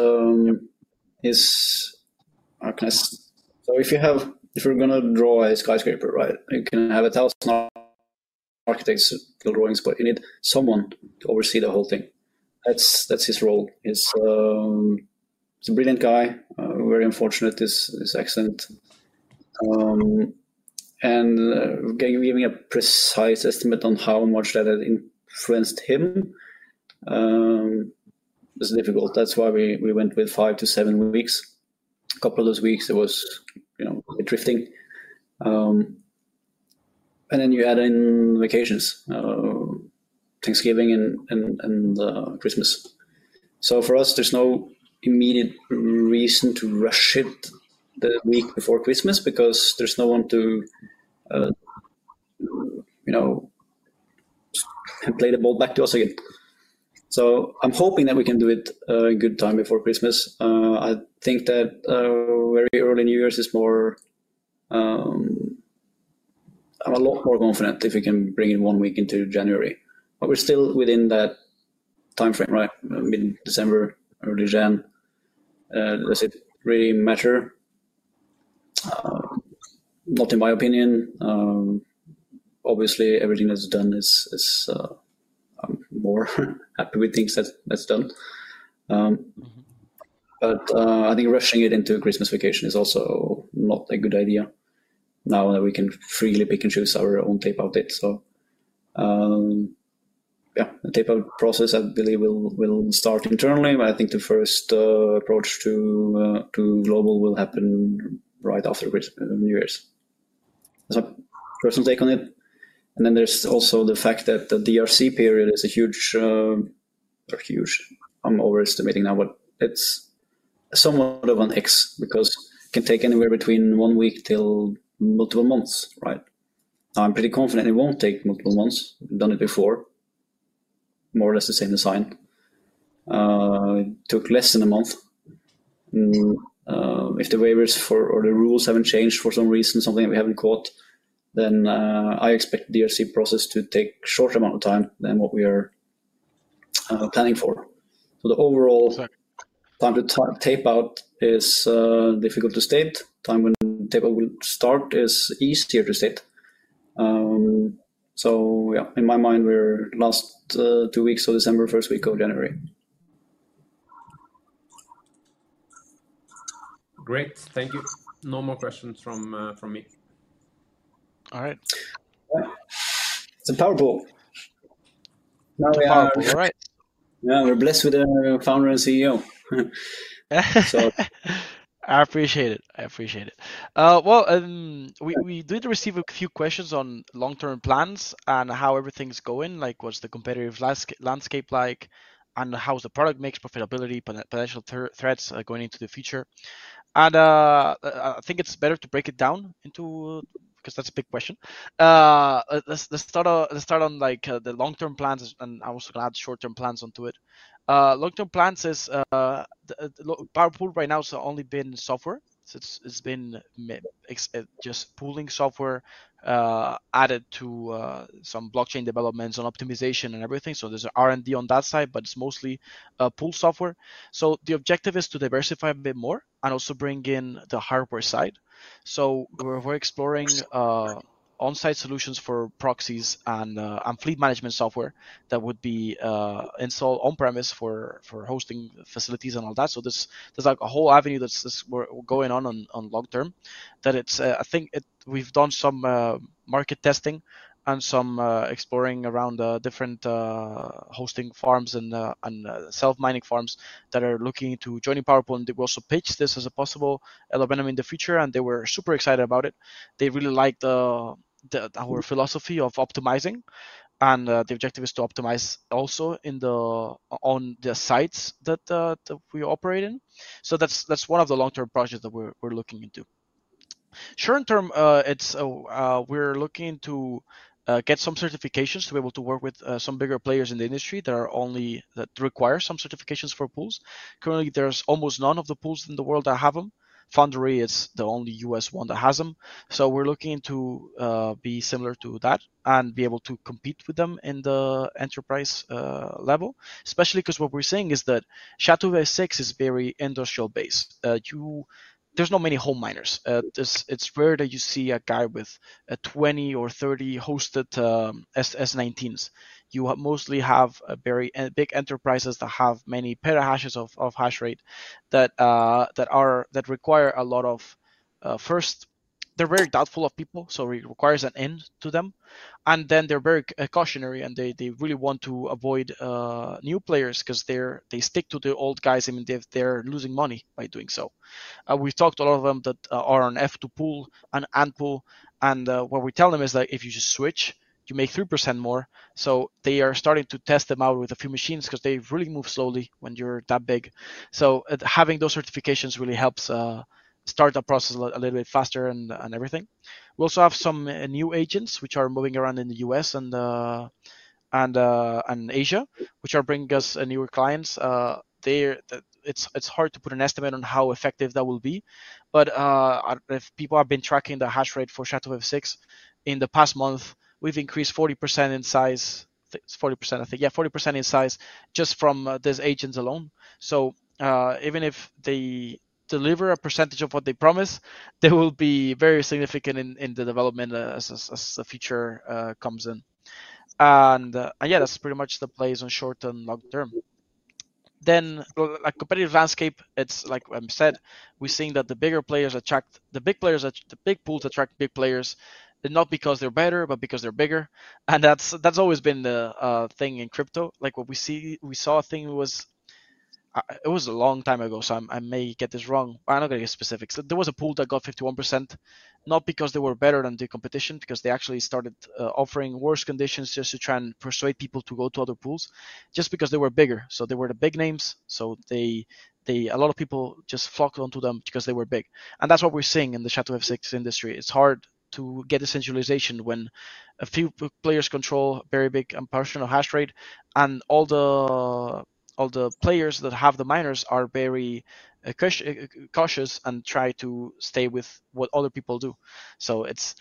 okay, so if you have, if you're gonna draw a skyscraper, right, you can have a thousand architects draw drawings, but you need someone to oversee the whole thing. That's his role. He's a brilliant guy. Very unfortunate, this accident. Giving a precise estimate on how much that had influenced him is difficult. That's why we went with five to seven weeks. A couple of those weeks, it was, you know, drifting. Then you add in vacations, Thanksgiving and Christmas, so for us, there's no immediate reason to rush it the week before Christmas, because there's no one to, you know, play the ball back to us again. I'm hoping that we can do it a good time before Christmas. I think that very early New Year's is more. I'm a lot more confident if we can bring it one week into January, but we're still within that timeframe, right? Mid-December, early January. Does it really matter? Not in my opinion. Obviously, everything that's done is. I'm more happy with things that's done. I think rushing it into Christmas vacation is also not a good idea now that we can freely pick and choose our own tape-out date. The tape-out process, I believe, will start internally, but I think the first approach to Global will happen right after Christmas New Year's. That's my personal take on it. And then there's also the fact that the DRC period is a huge, not huge, I'm overestimating now, but it's somewhat of an X, because it can take anywhere between one week till multiple months, right? I'm pretty confident it won't take multiple months. We've done it before, more or less the same design. It took less than a month. If the waivers for, or the rules haven't changed for some reason, something that we haven't caught, then I expect the DRC process to take a shorter amount of time than what we are planning for. So the overall, exactly time to tape-out is difficult to state. The time when tape-out will start is easier to state. So yeah, in my mind, we're last two weeks of December, first week of January. Great, thank you. No more questions from me. All right. It's a PowerPool. Now we are- PowerPool, all right. Yeah, we're blessed with our founder and CEO. So. I appreciate it, I appreciate it. Well, we did receive a few questions on long-term plans and how everything's going, like, what's the competitive landscape like, and how is the product mix, profitability, potential threats, going into the future? I think it's better to break it down into 'cause that's a big question. Let's start off on, like, the long-term plans, and I will also add short-term plans onto it. Long-term plans is the PowerPool right now has only been software. So it's been just pooling software, added to some blockchain developments and optimization and everything. So there's R&D on that side, but it's mostly pool software. So the objective is to diversify a bit more and also bring in the hardware side. So we're exploring on-site solutions for proxies and fleet management software that would be installed on-premise for hosting facilities and all that. So there's, like, a whole avenue that we're going on long term. I think we've done some market testing and some exploring around different hosting farms and self-mining farms that are looking into joining PowerPool, and we also pitched this as a possible element in the future, and they were super excited about it. They really like our philosophy of optimizing, and the objective is to optimize also on the sites that we operate in. So that's one of the long-term projects that we're looking into. Short-term, it's, we're looking to get some certifications to be able to work with some bigger players in the industry that are only- that require some certifications for pools. Currently, there's almost none of the pools in the world that have them. Foundry is the only U.S. one that has them. So we're looking to be similar to that and be able to compete with them in the enterprise level. Especially because what we're seeing is that SHA-256 is very industrial-based. There's not many home miners. It's rare that you see a guy with 20 or 30 hosted S19s. You mostly have a very big enterprises that have many petahashes of hash rate, that require a lot of. First, they're very doubtful of people, so it requires an intro to them, and then they're very cautionary, and they really want to avoid new players 'cause they stick to the old guys, even if they're losing money by doing so. We've talked to a lot of them that are on F2Pool and AntPool, and what we tell them is that if you just switch, you make 3% more. So they are starting to test them out with a few machines, 'cause they really move slowly when you're that big. So having those certifications really helps start the process a little bit faster and everything. We also have some new agents which are moving around in the U.S. and Asia, which are bringing us newer clients. It's hard to put an estimate on how effective that will be, but if people have been tracking the hash rate for SHA-256, in the past month, we've increased 40% in size. It's 40%, I think. Yeah, 40% in size just from these agents alone. So, even if they deliver a percentage of what they promise, they will be very significant in the development as the future comes in. And yeah, that's pretty much the plays on short-term, long-term. Then, like competitive landscape, it's like, said, we're seeing that the big pools attract big players, and not because they're better, but because they're bigger. And that's always been the thing in crypto. Like what we saw. It was a long time ago, so I may get this wrong, but I'm not gonna get specific. So there was a pool that got 51%, not because they were better than the competition, because they actually started offering worse conditions just to try and persuade people to go to other pools, just because they were bigger. So they were the big names, so they, a lot of people just flocked onto them because they were big. And that's what we're seeing in the SHA-256 industry. It's hard to get a centralization when a few players control a very big portion of hash rate, and all the players that have the miners are very cautious and try to stay with what other people do. So it's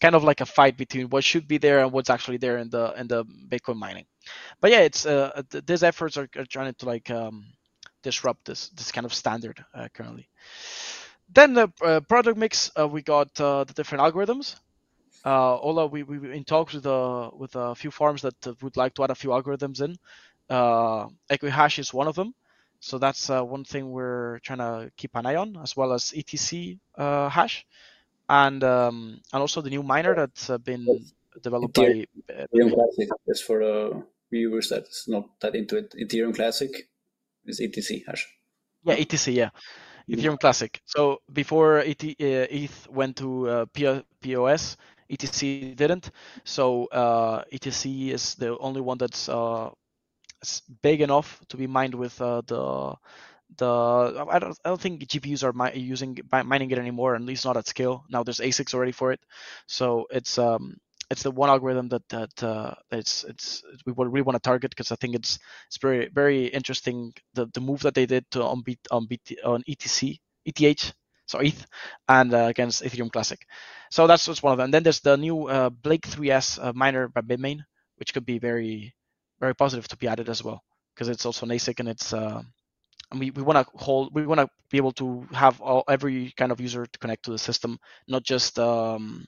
kind of like a fight between what should be there and what's actually there in the Bitcoin mining. But yeah, it's these efforts are trying to, like, disrupt this kind of standard currently. Then the product mix we got the different algorithms. Although we, we're in talks with a few farms that would like to add a few algorithms in. Equihash is one of them, so that's one thing we're trying to keep an eye on, as well as ETC hash, and also the new miner that's been developed by Ethereum Classic. Just for viewers that's not that into it, Ethereum Classic is ETC hash. Yeah, ETC, yeah. Yeah. Ethereum Classic. Before ETH went to PoS, ETC didn't. So ETC is the only one that's so big enough to be mined with the. I don't think GPUs are mining it anymore, at least not at scale. Now, there are ASICs already for it. So it's the one algorithm that we wanna target 'cause I think it's very interesting, the move that they did on ETH against Ethereum Classic. So that's one of them. Then there's the new Blake3 miner by Bitmain, which could be very positive to be added as well, 'cause it's also an ASIC and it's. I mean, we wanna be able to have all, every kind of user to connect to the system, not just the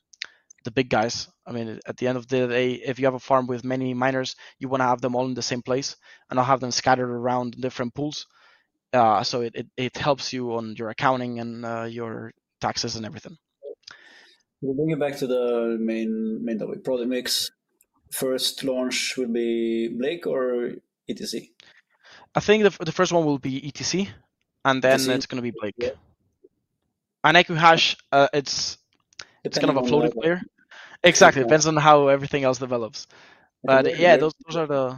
big guys. I mean, at the end of the day, if you have a farm with many miners, you wanna have them all in the same place and not have them scattered around different pools, so it helps you on your accounting and your taxes and everything. We'll bring it back to the main, main topic. Product mix, first launch will be Blake or ETC? I think the first one will be ETC, and then- ETC it's gonna be Blake. Yeah. Equihash, Depending on that one. it's kind of a floating player. Exactly. Yeah. Depends on how everything else develops. Yeah. But yeah, those are the-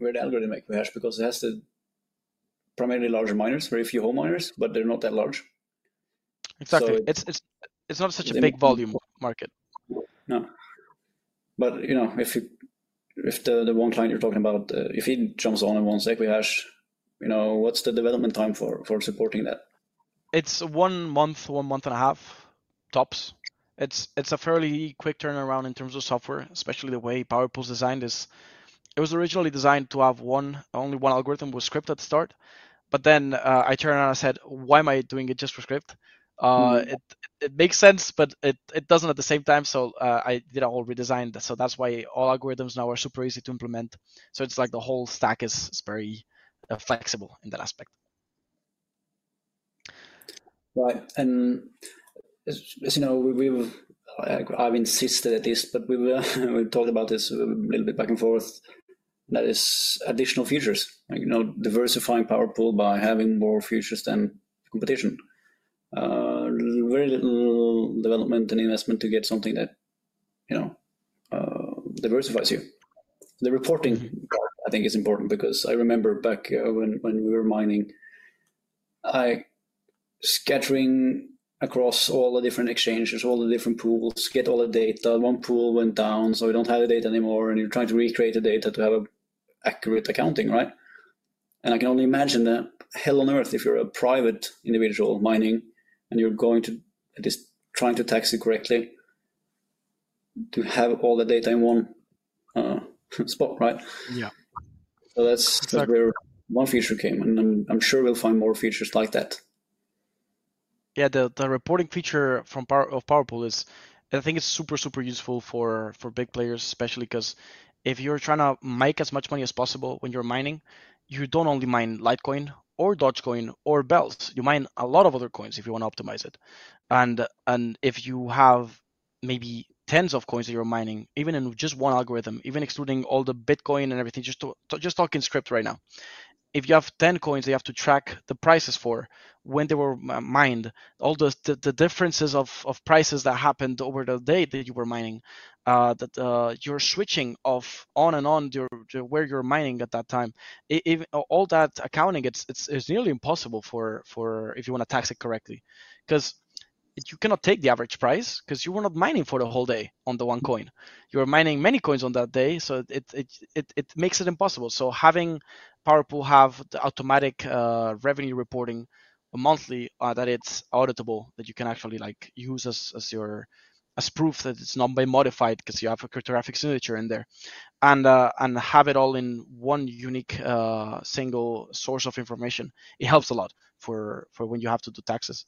Weird algorithm, Equihash, because it has the primarily larger miners, very few home miners, but they're not that large. Exactly. So- It's not such a big volume market. No. But, you know, if the one client you're talking about, if he jumps on and wants Equihash, you know, what's the development time for supporting that? It's one month, one month and a half, tops. It's a fairly quick turnaround in terms of software, especially the way PowerPool's designed this. It was originally designed to have one, only one algorithm with Scrypt at the start. But then, I turned around and said, "Why am I doing it just for Scrypt? Mm-hmm. It makes sense, but it doesn't at the same time, so I did a whole redesign. So that's why all algorithms now are super easy to implement. So it's like the whole stack is very flexible in that aspect. Right. And as you know, we've, I've insisted this, but we talked about this a little bit back and forth, that is additional features. Like, you know, diversifying PowerPool by having more features than competition. Very little development and investment to get something that, you know, diversifies you. The reporting part, I think, is important because I remember back when we were mining, I scattering across all the different exchanges, all the different pools, get all the data. One pool went down, so we don't have the data anymore, and you're trying to recreate the data to have a accurate accounting, right? And I can only imagine the hell on earth if you're a private individual mining and you're going to at least trying to tax it correctly, to have all the data in one spot, right? Yeah. So that's- Exactly where one feature came, and I'm sure we'll find more features like that. Yeah, the reporting feature from PowerPool is, I think it's super, super useful for big players especially, 'cause if you're trying to make as much money as possible when you're mining, you don't only mine Litecoin or Dogecoin or Bells, you mine a lot of other coins if you want to optimize it. And if you have maybe tens of coins that you're mining, even in just one algorithm, even excluding all the Bitcoin and everything, just talking Scrypt right now. If you have ten coins, you have to track the prices for when they were mined, all the differences of prices that happened over the day that you were mining, that you're switching off and on, where you're mining at that time. Even all that accounting, it's nearly impossible for if you wanna tax it correctly. 'Cause you cannot take the average price, 'cause you were not mining for the whole day on the one coin. You were mining many coins on that day, so it makes it impossible. So having PowerPool have the automatic revenue reporting monthly, that it's auditable, that you can actually, like, use as your proof that it's not been modified because you have a cryptographic signature in there, and have it all in one unique single source of information, it helps a lot for when you have to do taxes.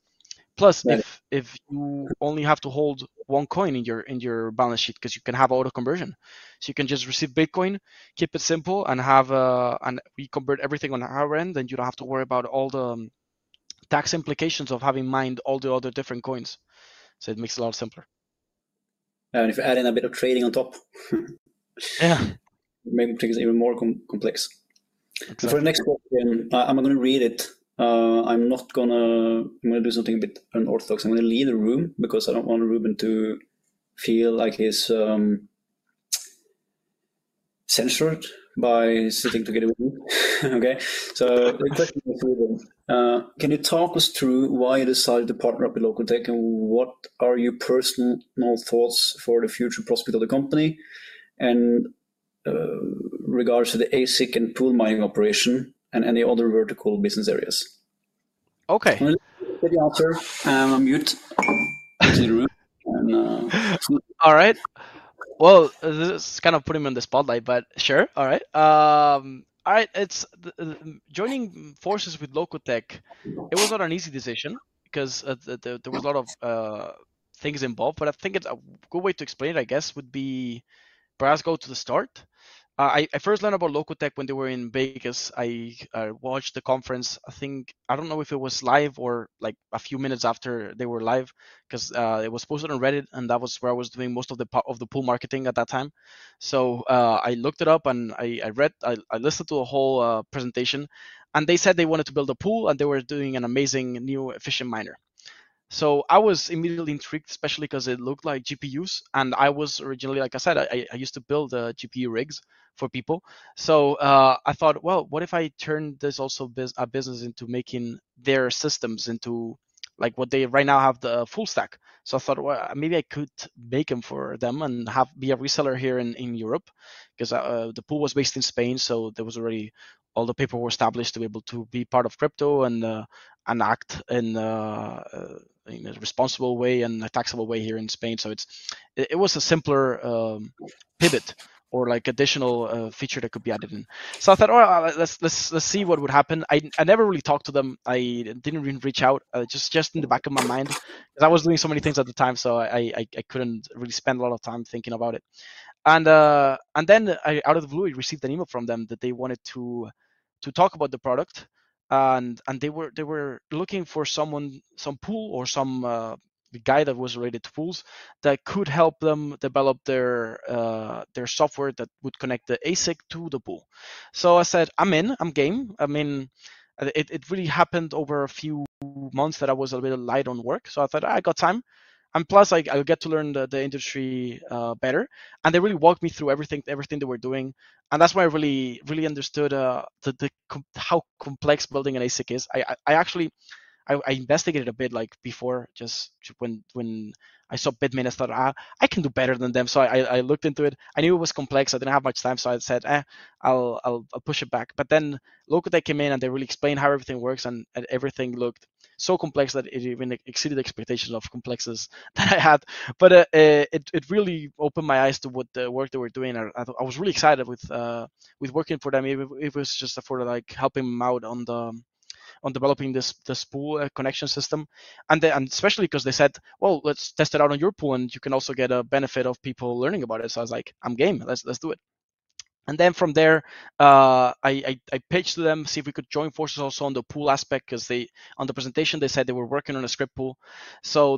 Yeah. Plus, if you only have to hold one coin in your balance sheet, 'cause you can have auto conversion. So you can just receive Bitcoin, keep it simple, and have, and we convert everything on our end, then you don't have to worry about all the tax implications of having mined all the other different coins. So it makes it a lot simpler. And if you add in a bit of trading on top, Yeah. Make things even more complex. Okay. So for the next question, I'm gonna read it. I'm not gonna. I'm gonna do something a bit unorthodox. I'm gonna leave the room because I don't want Ruben to feel like he's censured by sitting together with me. Okay? So the question for Ruben, can you talk us through why you decided to partner up with Lokotech, and what are your personal thoughts for the future prospect of the company, and regards to the ASIC and pool mining operation and any other vertical business areas? Okay. Get the answer, and I'll mute and leave the room, and All right. Well, this kind of put him in the spotlight, but sure. All right. All right, it's the joining forces with Lokotech. It was not an easy decision because the No There were a lot of things involved, but I think it's a good way to explain it. I guess would be perhaps go to the start. I first learned about Lokotech when they were in Vegas. I watched the conference, I think. I don't know if it was live or like a few minutes after they were live, 'cause it was posted on Reddit, and that was where I was doing most of the part of the pool marketing at that time. So I looked it up, and I read. I listened to a whole presentation, and they said they wanted to build a pool, and they were doing an amazing, new, efficient miner. So I was immediately intrigued, especially 'cause it looked like GPUs, and I was originally, like I said, I used to build GPU rigs for people. So I thought, "Well, what if I turn this also business into making their systems into like what they right now have the full stack?" So I thought, "Well, maybe I could make them for them and be a reseller here in Europe." 'Cause the pool was based in Spain, so there was already all the paperwork were established to be able to be part of crypto and act in a responsible way and a taxable way here in Spain. So it was a simpler pivot or like additional feature that could be added in. So I thought, "Oh, let's see what would happen." I never really talked to them. I didn't even reach out, just in the back of my mind. 'Cause I was doing so many things at the time, so I couldn't really spend a lot of time thinking about it. And then, out of the blue, I received an email from them that they wanted to talk about the product, and they were looking for someone, some pool or some guy that was related to pools that could help them develop their software that would connect the ASIC to the pool. So I said, "I'm in. I'm game." I mean, it really happened over a few months that I was a little light on work, so I thought, "I got time, and plus, I'll get to learn the industry better." And they really walked me through everything, everything they were doing, and that's why I really, really understood the com- how complex building an ASIC is. I actually investigated a bit like before, just when I saw Bitmain, I thought, "Ah, I can do better than them." So I looked into it. I knew it was complex. I didn't have much time, so I said, "Eh, I'll push it back." But then Lokotech came in, and they really explained how everything works, and everything looked so complex that it even exceeded the expectations of complexes that I had. But it really opened my eyes to what the work they were doing, and I was really excited with working for them. It was just for, like, helping them out on developing this pool connection system. And especially 'cause they said, "Well, let's test it out on your pool, and you can also get a benefit of people learning about it." So I was like, "I'm game. Let's do it." And then from there, I pitched to them, see if we could join forces also on the pool aspect, 'cause they, on the presentation, they said they were working on a Scrypt pool.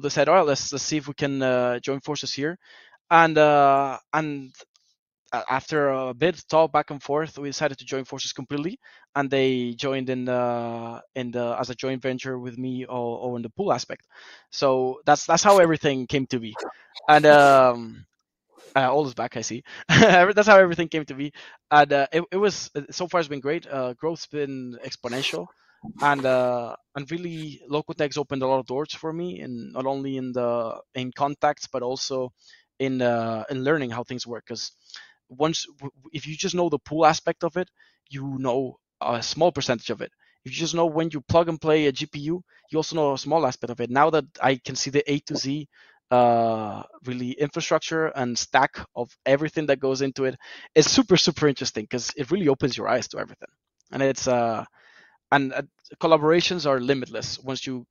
They said, "All right, let's see if we can join forces here." And after a bit talk back and forth, we decided to join forces completely, and they joined in as a joint venture with me on the pool aspect. So that's how everything came to be. And all is back, I see. And so far it's been great. Growth's been exponential, and really, Lokotech's opened a lot of doors for me, and not only in contacts, but also in learning how things work. 'Cause once, if you just know the pool aspect of it, you know a small percentage of it. If you just know when you plug and play a GPU, you also know a small aspect of it. Now that I can see the A to Z, really infrastructure and stack of everything that goes into it, it's super, super interesting 'cause it really opens your eyes to everything. And it's collaborations are limitless once you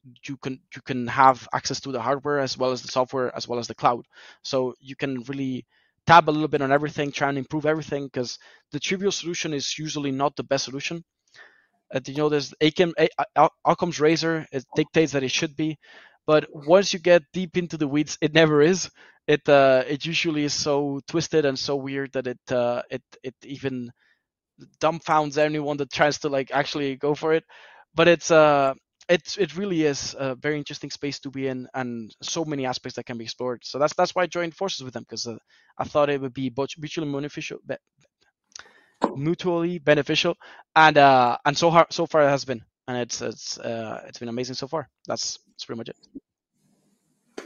can have access to the hardware as well as the software, as well as the cloud. So you can really tab a little bit on everything, try and improve everything, 'cause the trivial solution is usually not the best solution. You know, there's Occam's razor, it dictates that it should be, but once you get deep into the weeds, it never is. It usually is so twisted and so weird that it even dumbfounds anyone that tries to, like, actually go for it, but it's really a very interesting space to be in and so many aspects that can be explored, so that's why I joined forces with them, 'cause I thought it would be mutually beneficial, and so far it has been, and it's been amazing so far. That's pretty much it.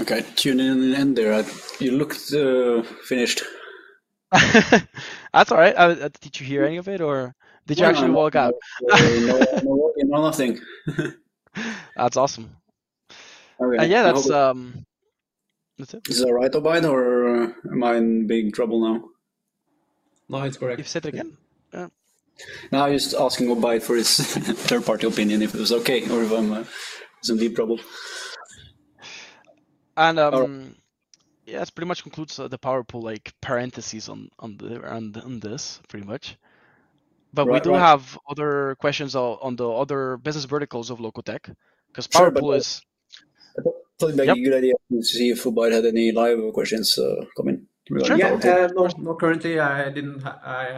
Okay, tuning in there. You look finished. That's all right. Did you hear any of it, or did you actually walk out? No, no, no, I think. That's awesome. Okay. Yeah, that's it. Is it all right, Obaid, or am I in big trouble now? No, it's correct. You say it again? Yeah. No, I was asking Obaid for his third-party opinion, if it was okay or if I'm in deep trouble. It pretty much concludes the PowerPool, like parentheses on this pretty much, but we do have other questions on the other business verticals of Lokotech, because PowerPool is- Sure, but thought it might be a good idea to see if Olav had any live questions coming regarding- Yeah, not currently. I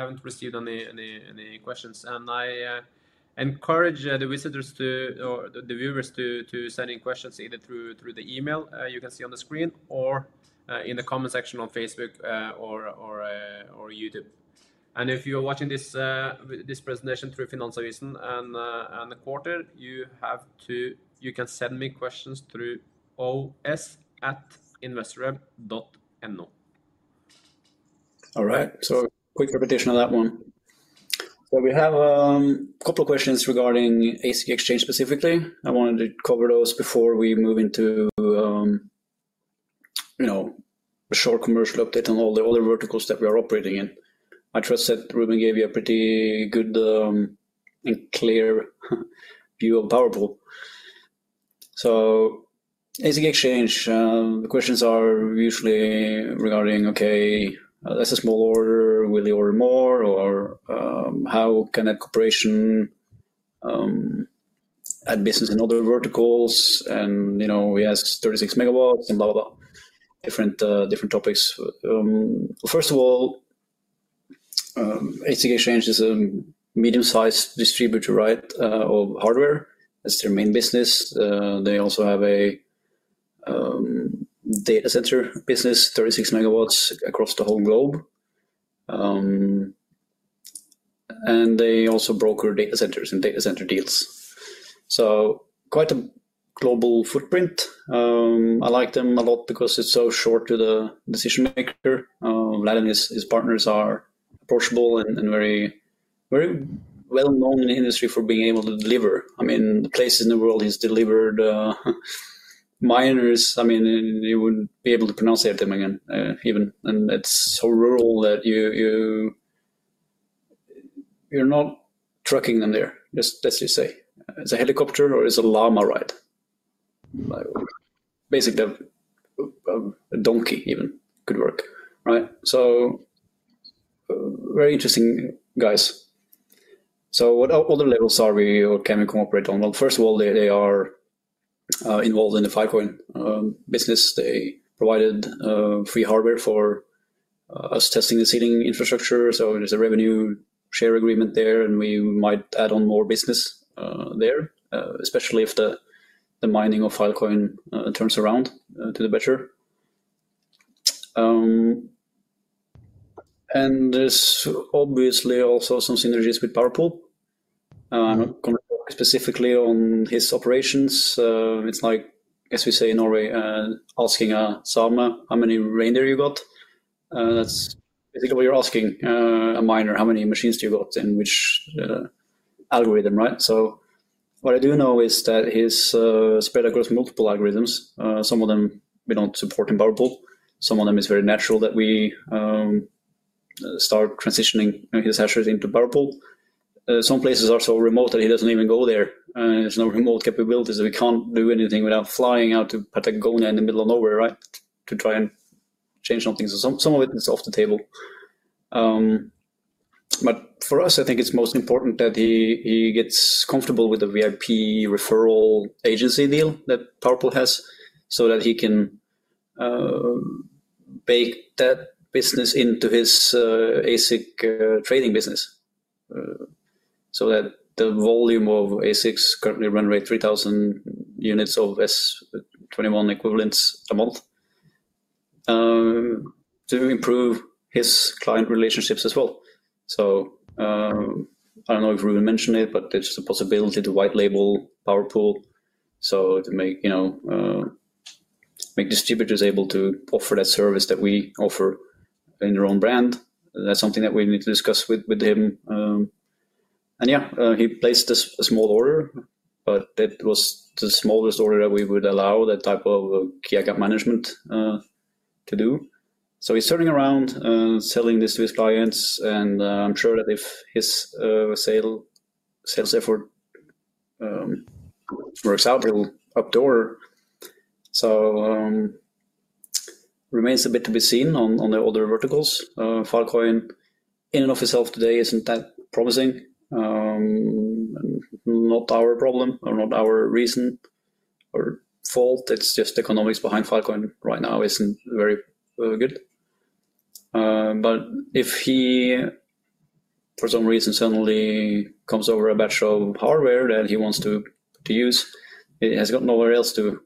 haven't received any questions. I encourage the viewers to send in questions either through the email you can see on the screen or in the comment section on Facebook or YouTube. If you're watching this presentation through Finansavisen, you can send me questions through os@investorweb.no. All right, so quick repetition of that one. So we have a couple of questions regarding ASIC Exchange specifically. I wanted to cover those before we move into, you know, a short commercial update on all the other verticals that we are operating in. I trust that Ruben gave you a pretty good and clear view of PowerPool. So ASIC Exchange, the questions are usually regarding, okay, that's a small order. Will you order more? Or, how can a corporation add business in other verticals? And, you know, we ask 36 MW and blah, blah, blah. Different, different topics. First of all, ASIC Exchange is a medium-sized distributor, right, of hardware. That's their main business. They also have a data center business, 36 MW across the whole globe. And they also broker data centers and data center deals. So quite a global footprint. I like them a lot because it's so short to the decision maker. Vlad and his partners are approachable and very, very well known in the industry for being able to deliver. I mean, the places in the world he's delivered miners, I mean, you wouldn't be able to pronounce them again, even. And it's so rural that you, you're not trucking them there, let's just say. It's a helicopter or it's a llama ride. Like, basically, a donkey even could work, right? So very interesting guys. So what other levels are we or can we cooperate on? Well, first of all, they are involved in the Filecoin business. They provided free hardware for us testing the sealing infrastructure, so there's a revenue share agreement there, and we might add on more business there, especially if the mining of Filecoin turns around to the better. And there's obviously also some synergies with PowerPool. I'm not gonna talk specifically on his operations. It's like, as we say in Norway, asking a Sámi, "How many reindeer you got?" That's basically what you're asking a miner: "How many machines do you got, and which algorithm, right?" So what I do know is that he's spread across multiple algorithms. Some of them we don't support in PowerPool. Some of them is very natural that we start transitioning his hashers into PowerPool. Some places are so remote that he doesn't even go there, and there's no remote capabilities, so we can't do anything without flying out to Patagonia in the middle of nowhere, right? To try and change some things. So some of it is off the table. But for us, I think it's most important that he gets comfortable with the VIP referral agency deal that PowerPool has, so that he can bake that business into his ASIC trading business. So that the volume of ASICs currently run rate 3,000 units of S21 equivalents a month, to improve his client relationships as well. So I don't know if Ruben mentioned it, but there's a possibility to white label PowerPool, so to make, you know, make distributors able to offer that service that we offer in their own brand. That's something that we need to discuss with him. And yeah, he placed a small order, but that was the smallest order that we would allow that type of key account management to do. So he's turning around selling this to his clients, and I'm sure that if his sales effort works out, it'll up the order. So remains a bit to be seen on the other verticals. Filecoin, in and of itself today, isn't that promising. Not our problem or not our reason or fault, it's just the economics behind Filecoin right now isn't very good. But if he, for some reason, suddenly comes over a batch of hardware that he wants to use, he has got nowhere else to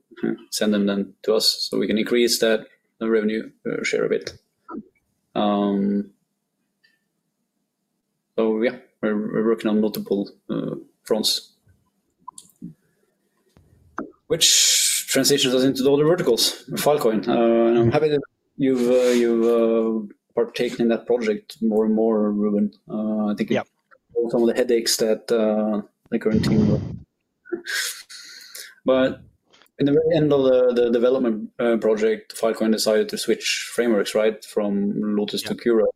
send them than to us, so we can increase that, the revenue share of it. So yeah, we're working on multiple fronts. Which transitions us into the other verticals, Filecoin. And I'm happy that you've partaken in that project more and more, Ruben. I think- Yeah Some of the headaches that the current team got. But in the very end of the development project, Filecoin decided to switch frameworks, right, from Lotus to Curio.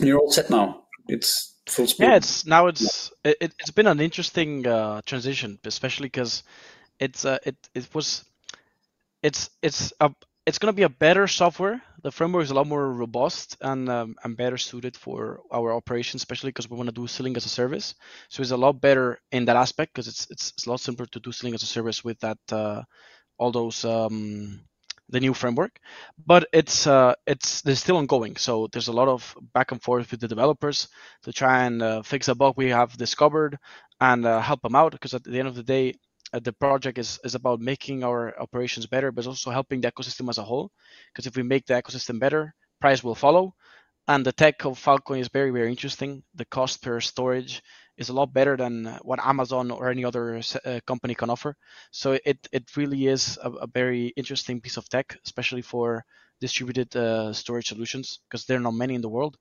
Yeah. You're all set now. It's full speed. Yeah, it's been an interesting transition, especially 'cause it's gonna be a better software. The framework is a lot more robust and better suited for our operations, especially 'cause we wanna do Sealing-as-a-Service. So it's a lot better in that aspect, 'cause it's a lot simpler to do Sealing-as-a-Service with that new framework. But they're still ongoing, so there's a lot of back and forth with the developers to try and fix a bug we have discovered and help them out. 'Cause at the end of the day, the project is about making our operations better, but it's also helping the ecosystem as a whole. 'Cause if we make the ecosystem better, price will follow, and the tech of Filecoin is very, very interesting. The cost per storage is a lot better than what Amazon or any other centralized company can offer. So it really is a very interesting piece of tech, especially for distributed storage solutions, 'cause there are not many in the world.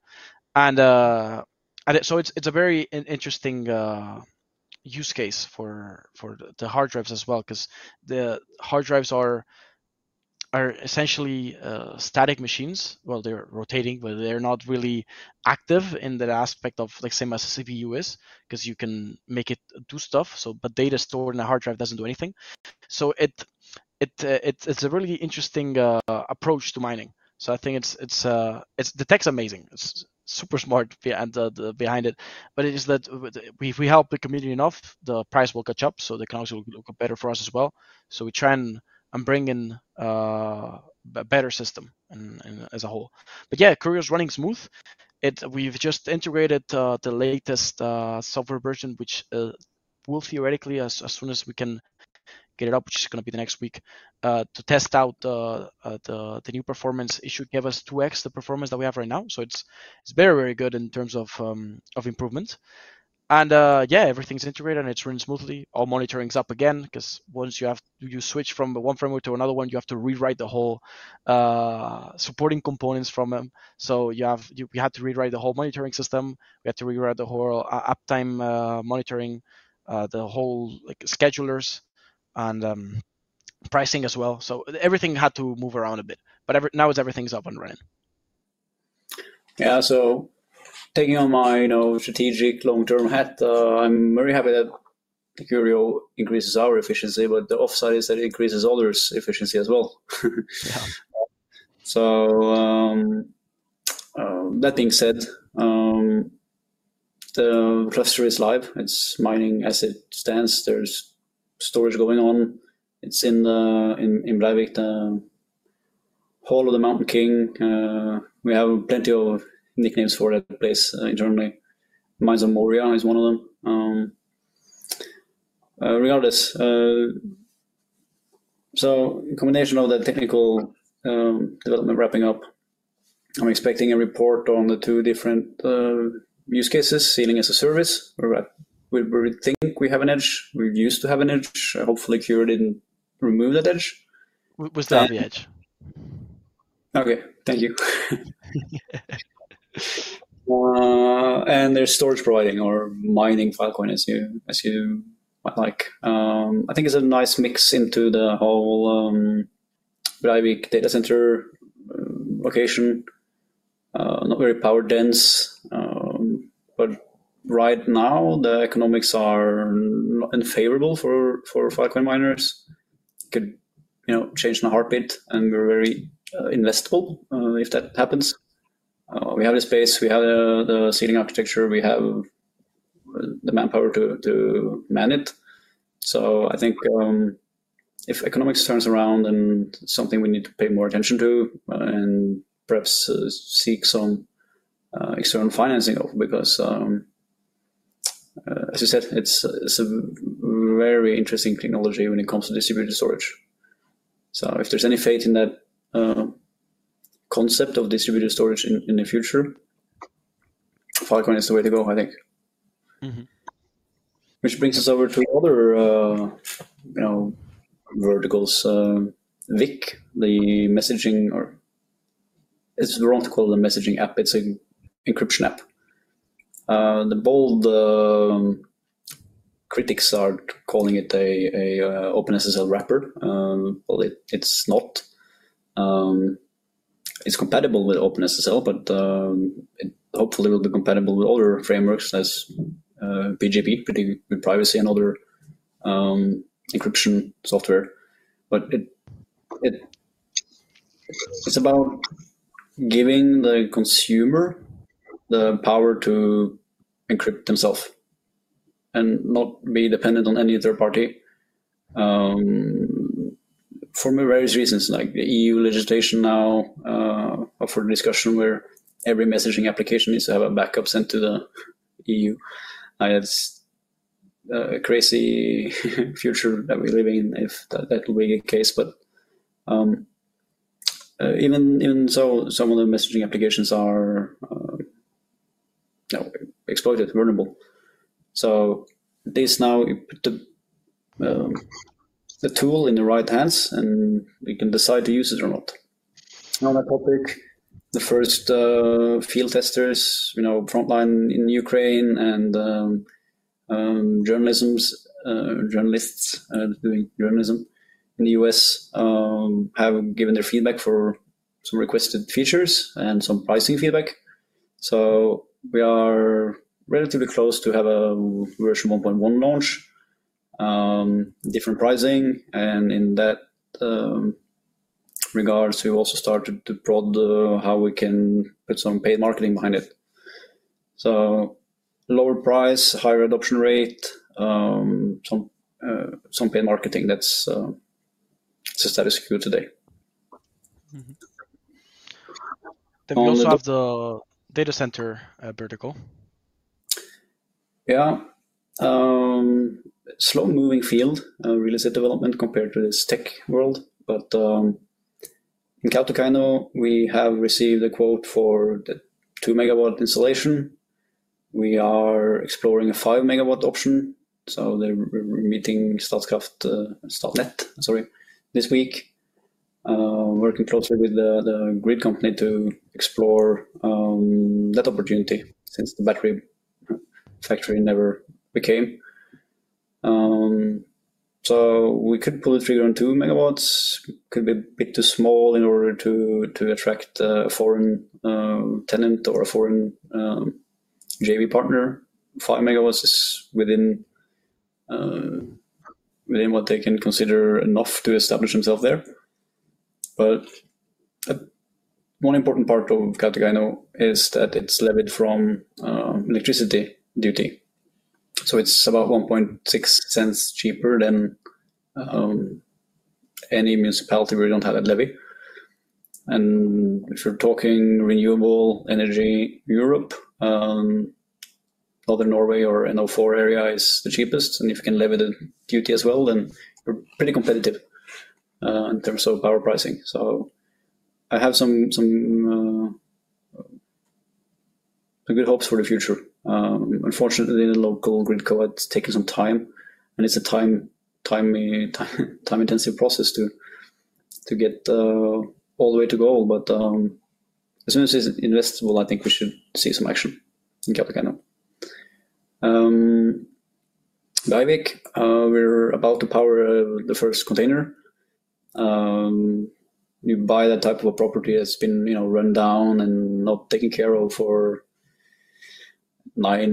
And so it's a very interesting use case for the hard drives as well, 'cause the hard drives are essentially static machines. Well, they're rotating, but they're not really active in that aspect of like same as a CPU is, 'cause you can make it do stuff, so but data stored in a hard drive doesn't do anything. So it it's a really interesting approach to mining. I think it's the tech's amazing. It's super smart behind it. But it is that way if we help the community enough, the price will catch up, so the economics will look better for us as well. We try and bring in a better system and as a whole. But yeah, Curio is running smooth. We've just integrated the latest software version, which will theoretically, as soon as we can get it up, which is gonna be next week, to test out the new performance. It should give us 2x the performance that we have right now. It's very, very good in terms of improvement. Yeah, everything's integrated, and it's running smoothly. All monitoring is up again, 'cause once you switch from the one framework to another one, you have to rewrite the whole supporting components. So we had to rewrite the whole monitoring system. We had to rewrite the whole uptime monitoring, the whole, like, schedulers and pricing as well. So everything had to move around a bit, but now, everything's up and running. Yeah. So taking on my, you know, strategic long-term hat, I'm very happy that Curio increases our efficiency, but the downside is that it increases others' efficiency as well. Yeah. That being said, the cluster is live. It's mining. As it stands, there's storage going on. It's in the Bleikvassli, the Hall of the Mountain King. We have plenty of nicknames for that place internally. Mines of Moria is one of them. Regardless, so combination of the technical development wrapping up, I'm expecting a report on the two different use cases, Sealing-as-a-Service, where we think we have an edge. We used to have an edge. Hopefully, Curio didn't remove that edge. We still have the edge. Okay. Thank you. And there's storage providing or mining Filecoin, as you, as you might like. I think it's a nice mix into the whole, Bleikvassli data center, location. Not very power dense, but right now, the economics are not unfavorable for, for Filecoin miners. Could, you know, change in a heartbeat, and we're very, investable, if that happens. We have the space, we have the, the sealing architecture, we have, the manpower to, to man it. So I think, if economics turns around and something we need to pay more attention to, and perhaps, seek some, external financing of, because, as you said, it's a, it's a very interesting technology when it comes to distributed storage. So if there's any faith in that concept of distributed storage in the future, Filecoin is the way to go, I think. Mm-hmm. Which brings us over to other, you know, verticals. VIC, the messaging, or it's wrong to call it a messaging app, it's an encryption app. The bold critics are calling it an OpenSSL wrapper. Well, it's not. It's compatible with OpenSSL, but it hopefully will be compatible with other frameworks as PGP, Pretty Good Privacy and other encryption software. But it's about giving the consumer the power to encrypt themselves and not be dependent on any third party for various reasons, like the E.U. legislation now up for discussion, where every messaging application needs to have a backup sent to the E.U. It's a crazy future that we live in if that will be the case, but even so, some of the messaging applications are, you know, exploited, vulnerable. So this now put the tool in the right hands, and we can decide to use it or not. Another topic, the first field testers, you know, frontline in Ukraine and journalists doing journalism in the U.S. have given their feedback for some requested features and some pricing feedback. So we are relatively close to have a version one point one launch, different pricing, and in that regards, we've also started to probe how we can put some paid marketing behind it. So lower price, higher adoption rate, some paid marketing that's status quo today. Mm-hmm. Then we also have the data center vertical. Yeah. Slow-moving field, real estate development compared to this tech world. But in Kautokeino, we have received a quote for the 2 MW installation. We are exploring a 5 MW option, so we're meeting Statkraft, Statnett, sorry, this week. Working closely with the grid company to explore that opportunity since the battery factory never became. So we could pull the trigger on 2 MW. Could be a bit too small in order to attract a foreign tenant or a foreign JV partner. 5 MW is within what they can consider enough to establish themselves there. But one important part of Kautokeino is that it's levied from electricity duty, so it's about 1.6 cents cheaper than any municipality where we don't have that levy. And if you're talking renewable energy, Europe, Northern Norway or NO4 area is the cheapest, and if you can levy the duty as well, then we're pretty competitive in terms of power pricing. So I have some good hopes for the future. Unfortunately, the local grid code, it's taking some time, and it's a time-intensive process to get all the way to go, but as soon as it's investable, I think we should see some action in Kautokeino. Bleikvassli, we're about to power the first container. You buy that type of a property that's been, you know, run down and not taken care of for at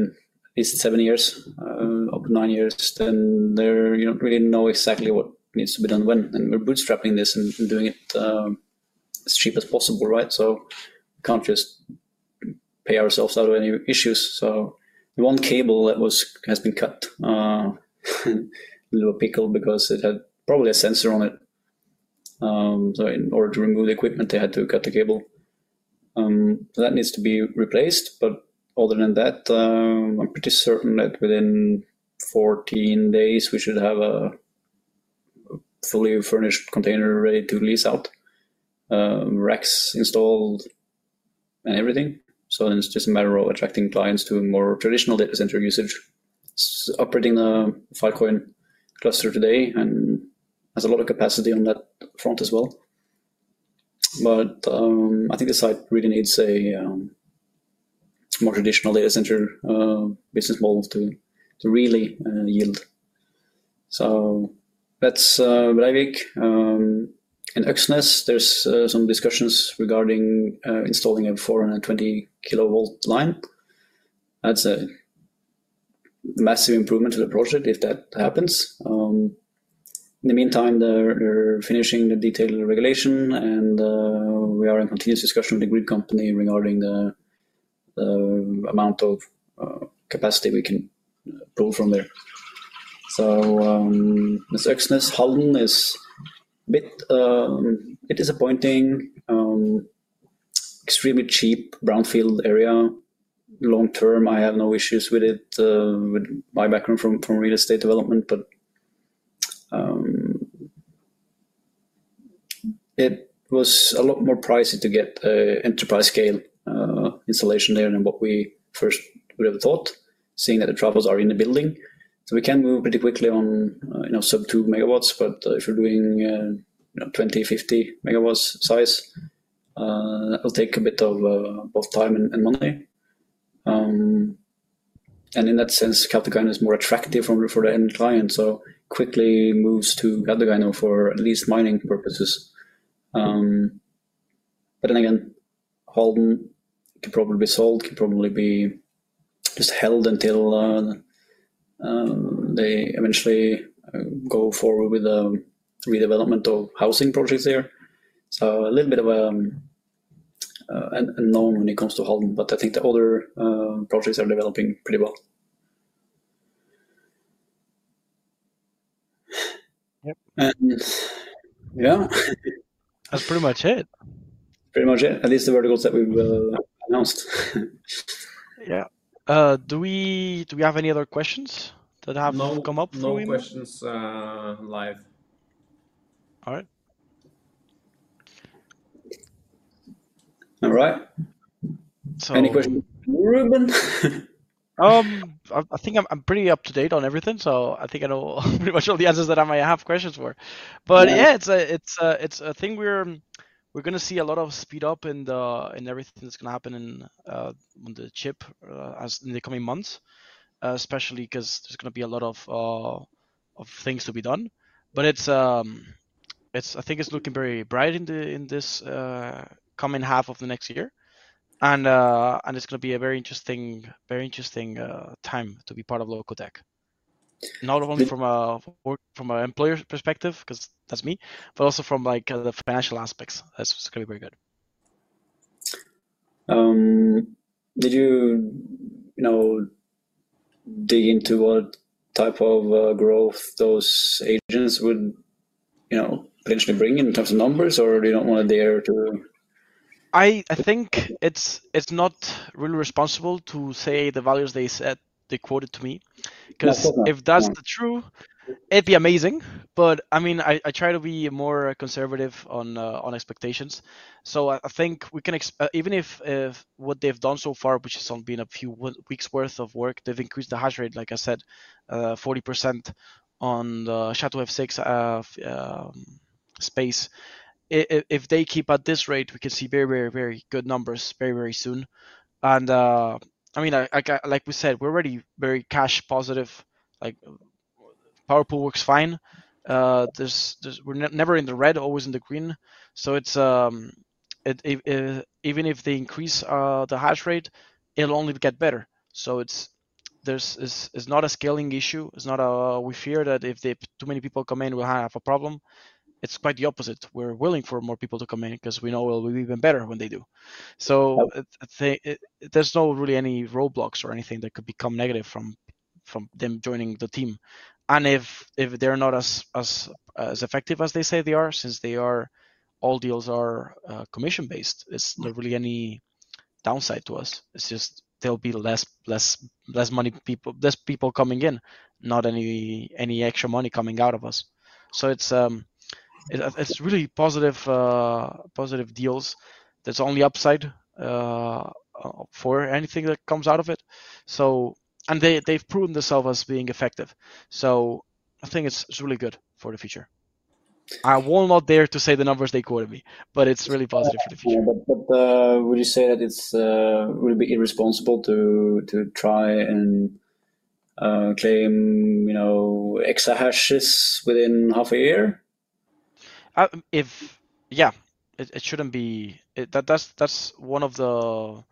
least seven years up to nine years, then there you don't really know exactly what needs to be done when. We're bootstrapping this and doing it as cheap as possible, right? We can't just pay ourselves out of any issues. The one cable that has been cut a little pickle because it had probably a sensor on it. In order to remove the equipment, they had to cut the cable. That needs to be replaced, but other than that, I'm pretty certain that within 14 days, we should have a fully furnished container ready to lease out, racks installed and everything. It's just a matter of attracting clients to a more traditional data center usage. It's operating a Filecoin cluster today and has a lot of capacity on that front as well. I think the site really needs a more traditional data center business model to really yield. So that's Bleikvassli. In Øksnes, there's some discussions regarding installing a 420-kilovolt line. That's a massive improvement to the project if that happens. In the meantime, they're finishing the detailed regulation, and we are in continuous discussion with the grid company regarding the amount of capacity we can pull from there. So that's Øksnes. Halden is a bit disappointing. Extremely cheap brownfield area. Long term, I have no issues with it, with my background from real estate development, but it was a lot more pricey to get a enterprise scale installation there than what we first would have thought, seeing that the troubles are in the building. So we can move pretty quickly on, you know, sub 2 MW, but, if you're doing, you know, 20 MW, 50 MW size, that will take a bit of, both time and money. And in that sense, Kautokeino is more attractive for the end client, so quickly moves to Kautokeino for at least mining purposes. But then again, Halden can probably be sold, can probably be just held until, they eventually go forward with the redevelopment of housing projects there. So a little bit of unknown when it comes to Halden, but I think the other projects are developing pretty well. Yep. And yeah. That's pretty much it. Pretty much it. At least the verticals that we've announced. Yeah. Do we have any other questions that have come up for him? No, no questions, live. All right. All right. So- Any questions, Ruben? I think I'm pretty up-to-date on everything, so I think I know pretty much all the answers that I might have questions for. Yeah. But yeah, it's a thing we're gonna see a lot of speed up in the, in everything that's gonna happen in, on the chip, as in the coming months. Especially 'cause there's gonna be a lot of things to be done. But it's. It's, I think it's looking very bright in the, in this, coming half of the next year. And it's gonna be a very interesting time to be part of Lokotech. Not only from a work, from an employer's perspective, 'cause that's me, but also from, like, the financial aspects. That's gonna be very good. Did you, you know, dig into what type of growth those agents would, you know, potentially bring in, in terms of numbers, or you don't want to dare to? I think it's not really responsible to say the values they said they quoted to me. Yeah. 'Cause if that's the truth, it'd be amazing. But I mean, I try to be more conservative on expectations. So I think we can even if what they've done so far, which is only been a few weeks' worth of work, they've increased the hash rate, like I said, 40% on the SHA-256 space. If they keep at this rate, we could see very, very, very good numbers very, very soon. And I mean, like we said, we're already very cash positive, like, PowerPool works fine. There's We're never in the red, always in the green. So it's even if they increase the hash rate, it'll only get better. It's not a scaling issue. It's not "We fear that if too many people come in, we'll have a problem." It's quite the opposite. We're willing for more people to come in, 'cause we know it will be even better when they do. Yeah. There's no really any roadblocks or anything that could become negative from them joining the team. And if they're not as effective as they say they are, since all deals are commission-based, there's not really any downside to us. It's just there'll be less people coming in, not any extra money coming out of us. It's really positive deals. There's only upside for anything that comes out of it. And they've proven themselves as being effective, so I think it's really good for the future. I will not dare to say the numbers they quoted me, but it's really positive for the future. Yeah. But would you say that it would be irresponsible to try and claim, you know, exahashes within half a year? Yeah, it shouldn't be that. That's one of the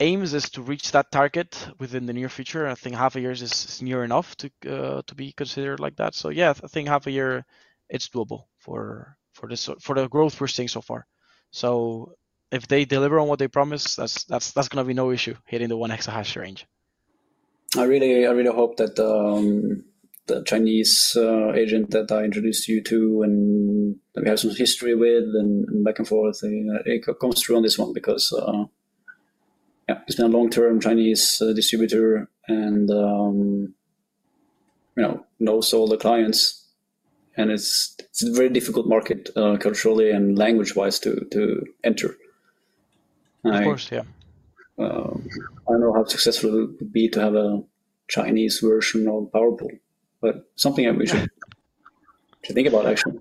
aims is to reach that target within the near future. I think half a year is near enough to be considered like that. So yeah, I think half a year, it's doable for this, so for the growth we're seeing so far. So if they deliver on what they promise, that's gonna be no issue, hitting the one exahash range. I really, I really hope that the Chinese agent that I introduced you to and that we have some history with and back and forth comes through on this one, because yeah, he's been a long-term Chinese distributor and you know, knows all the clients, and it's a very difficult market culturally and language-wise to enter. And I- Of course, yeah. I don't know how successful it would be to have a Chinese version of PowerPool, but something I wish to think about, actually.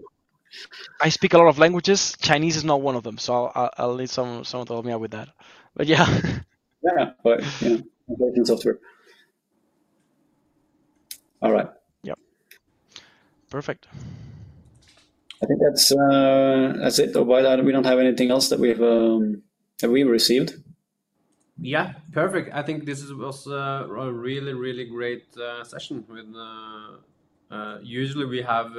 I speak a lot of languages. Chinese is not one of them, so I'll need someone to help me out with that. But yeah. Yeah, but yeah, software. All right. Yep. Perfect. I think that's it. We don't have anything else that we've received. Yeah, perfect. I think this was a really great session. Usually we have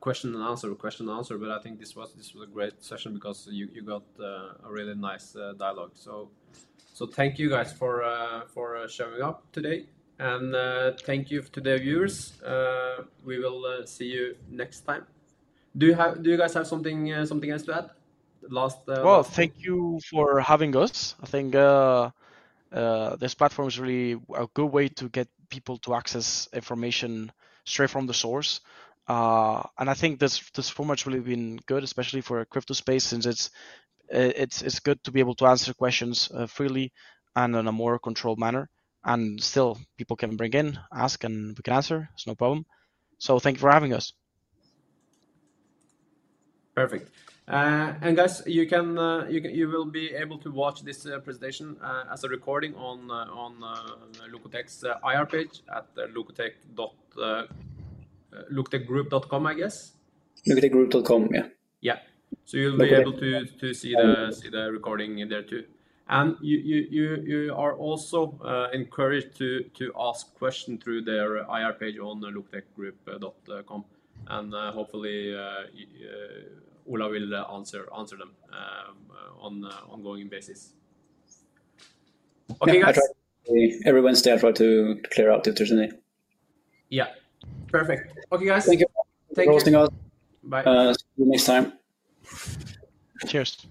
question and answer, question and answer, but I think this was a great session because you got a really nice dialogue. So thank you guys for showing up today. And thank you to the viewers. We will see you next time. Do you have, do you guys have something else to add? Last- Thank you for having us. I think this platform is really a good way to get people to access information straight from the source. I think this format's really been good, especially for a crypto space, since it's good to be able to answer questions freely and in a more controlled manner, and still people can break in, ask, and we can answer. It's no problem. Thank you for having us. Perfect. And guys, you will be able to watch this presentation as a recording on Lokotech's IR page at lokotechgroup.com, I guess. Lokotechgroup.com, yeah. Yeah. Okay. So you'll be able to see the recording in there, too. And you are also encouraged to ask question through their IR page on the lokotechgroup.com, and hopefully Ola will answer them on an ongoing basis. Okay, guys. Yeah, I try. Every Wednesday, I try to clear out the Thursday. Yeah. Perfect. Okay, guys- Thank you- Thank you for hosting us. Bye. See you next time. Cheers!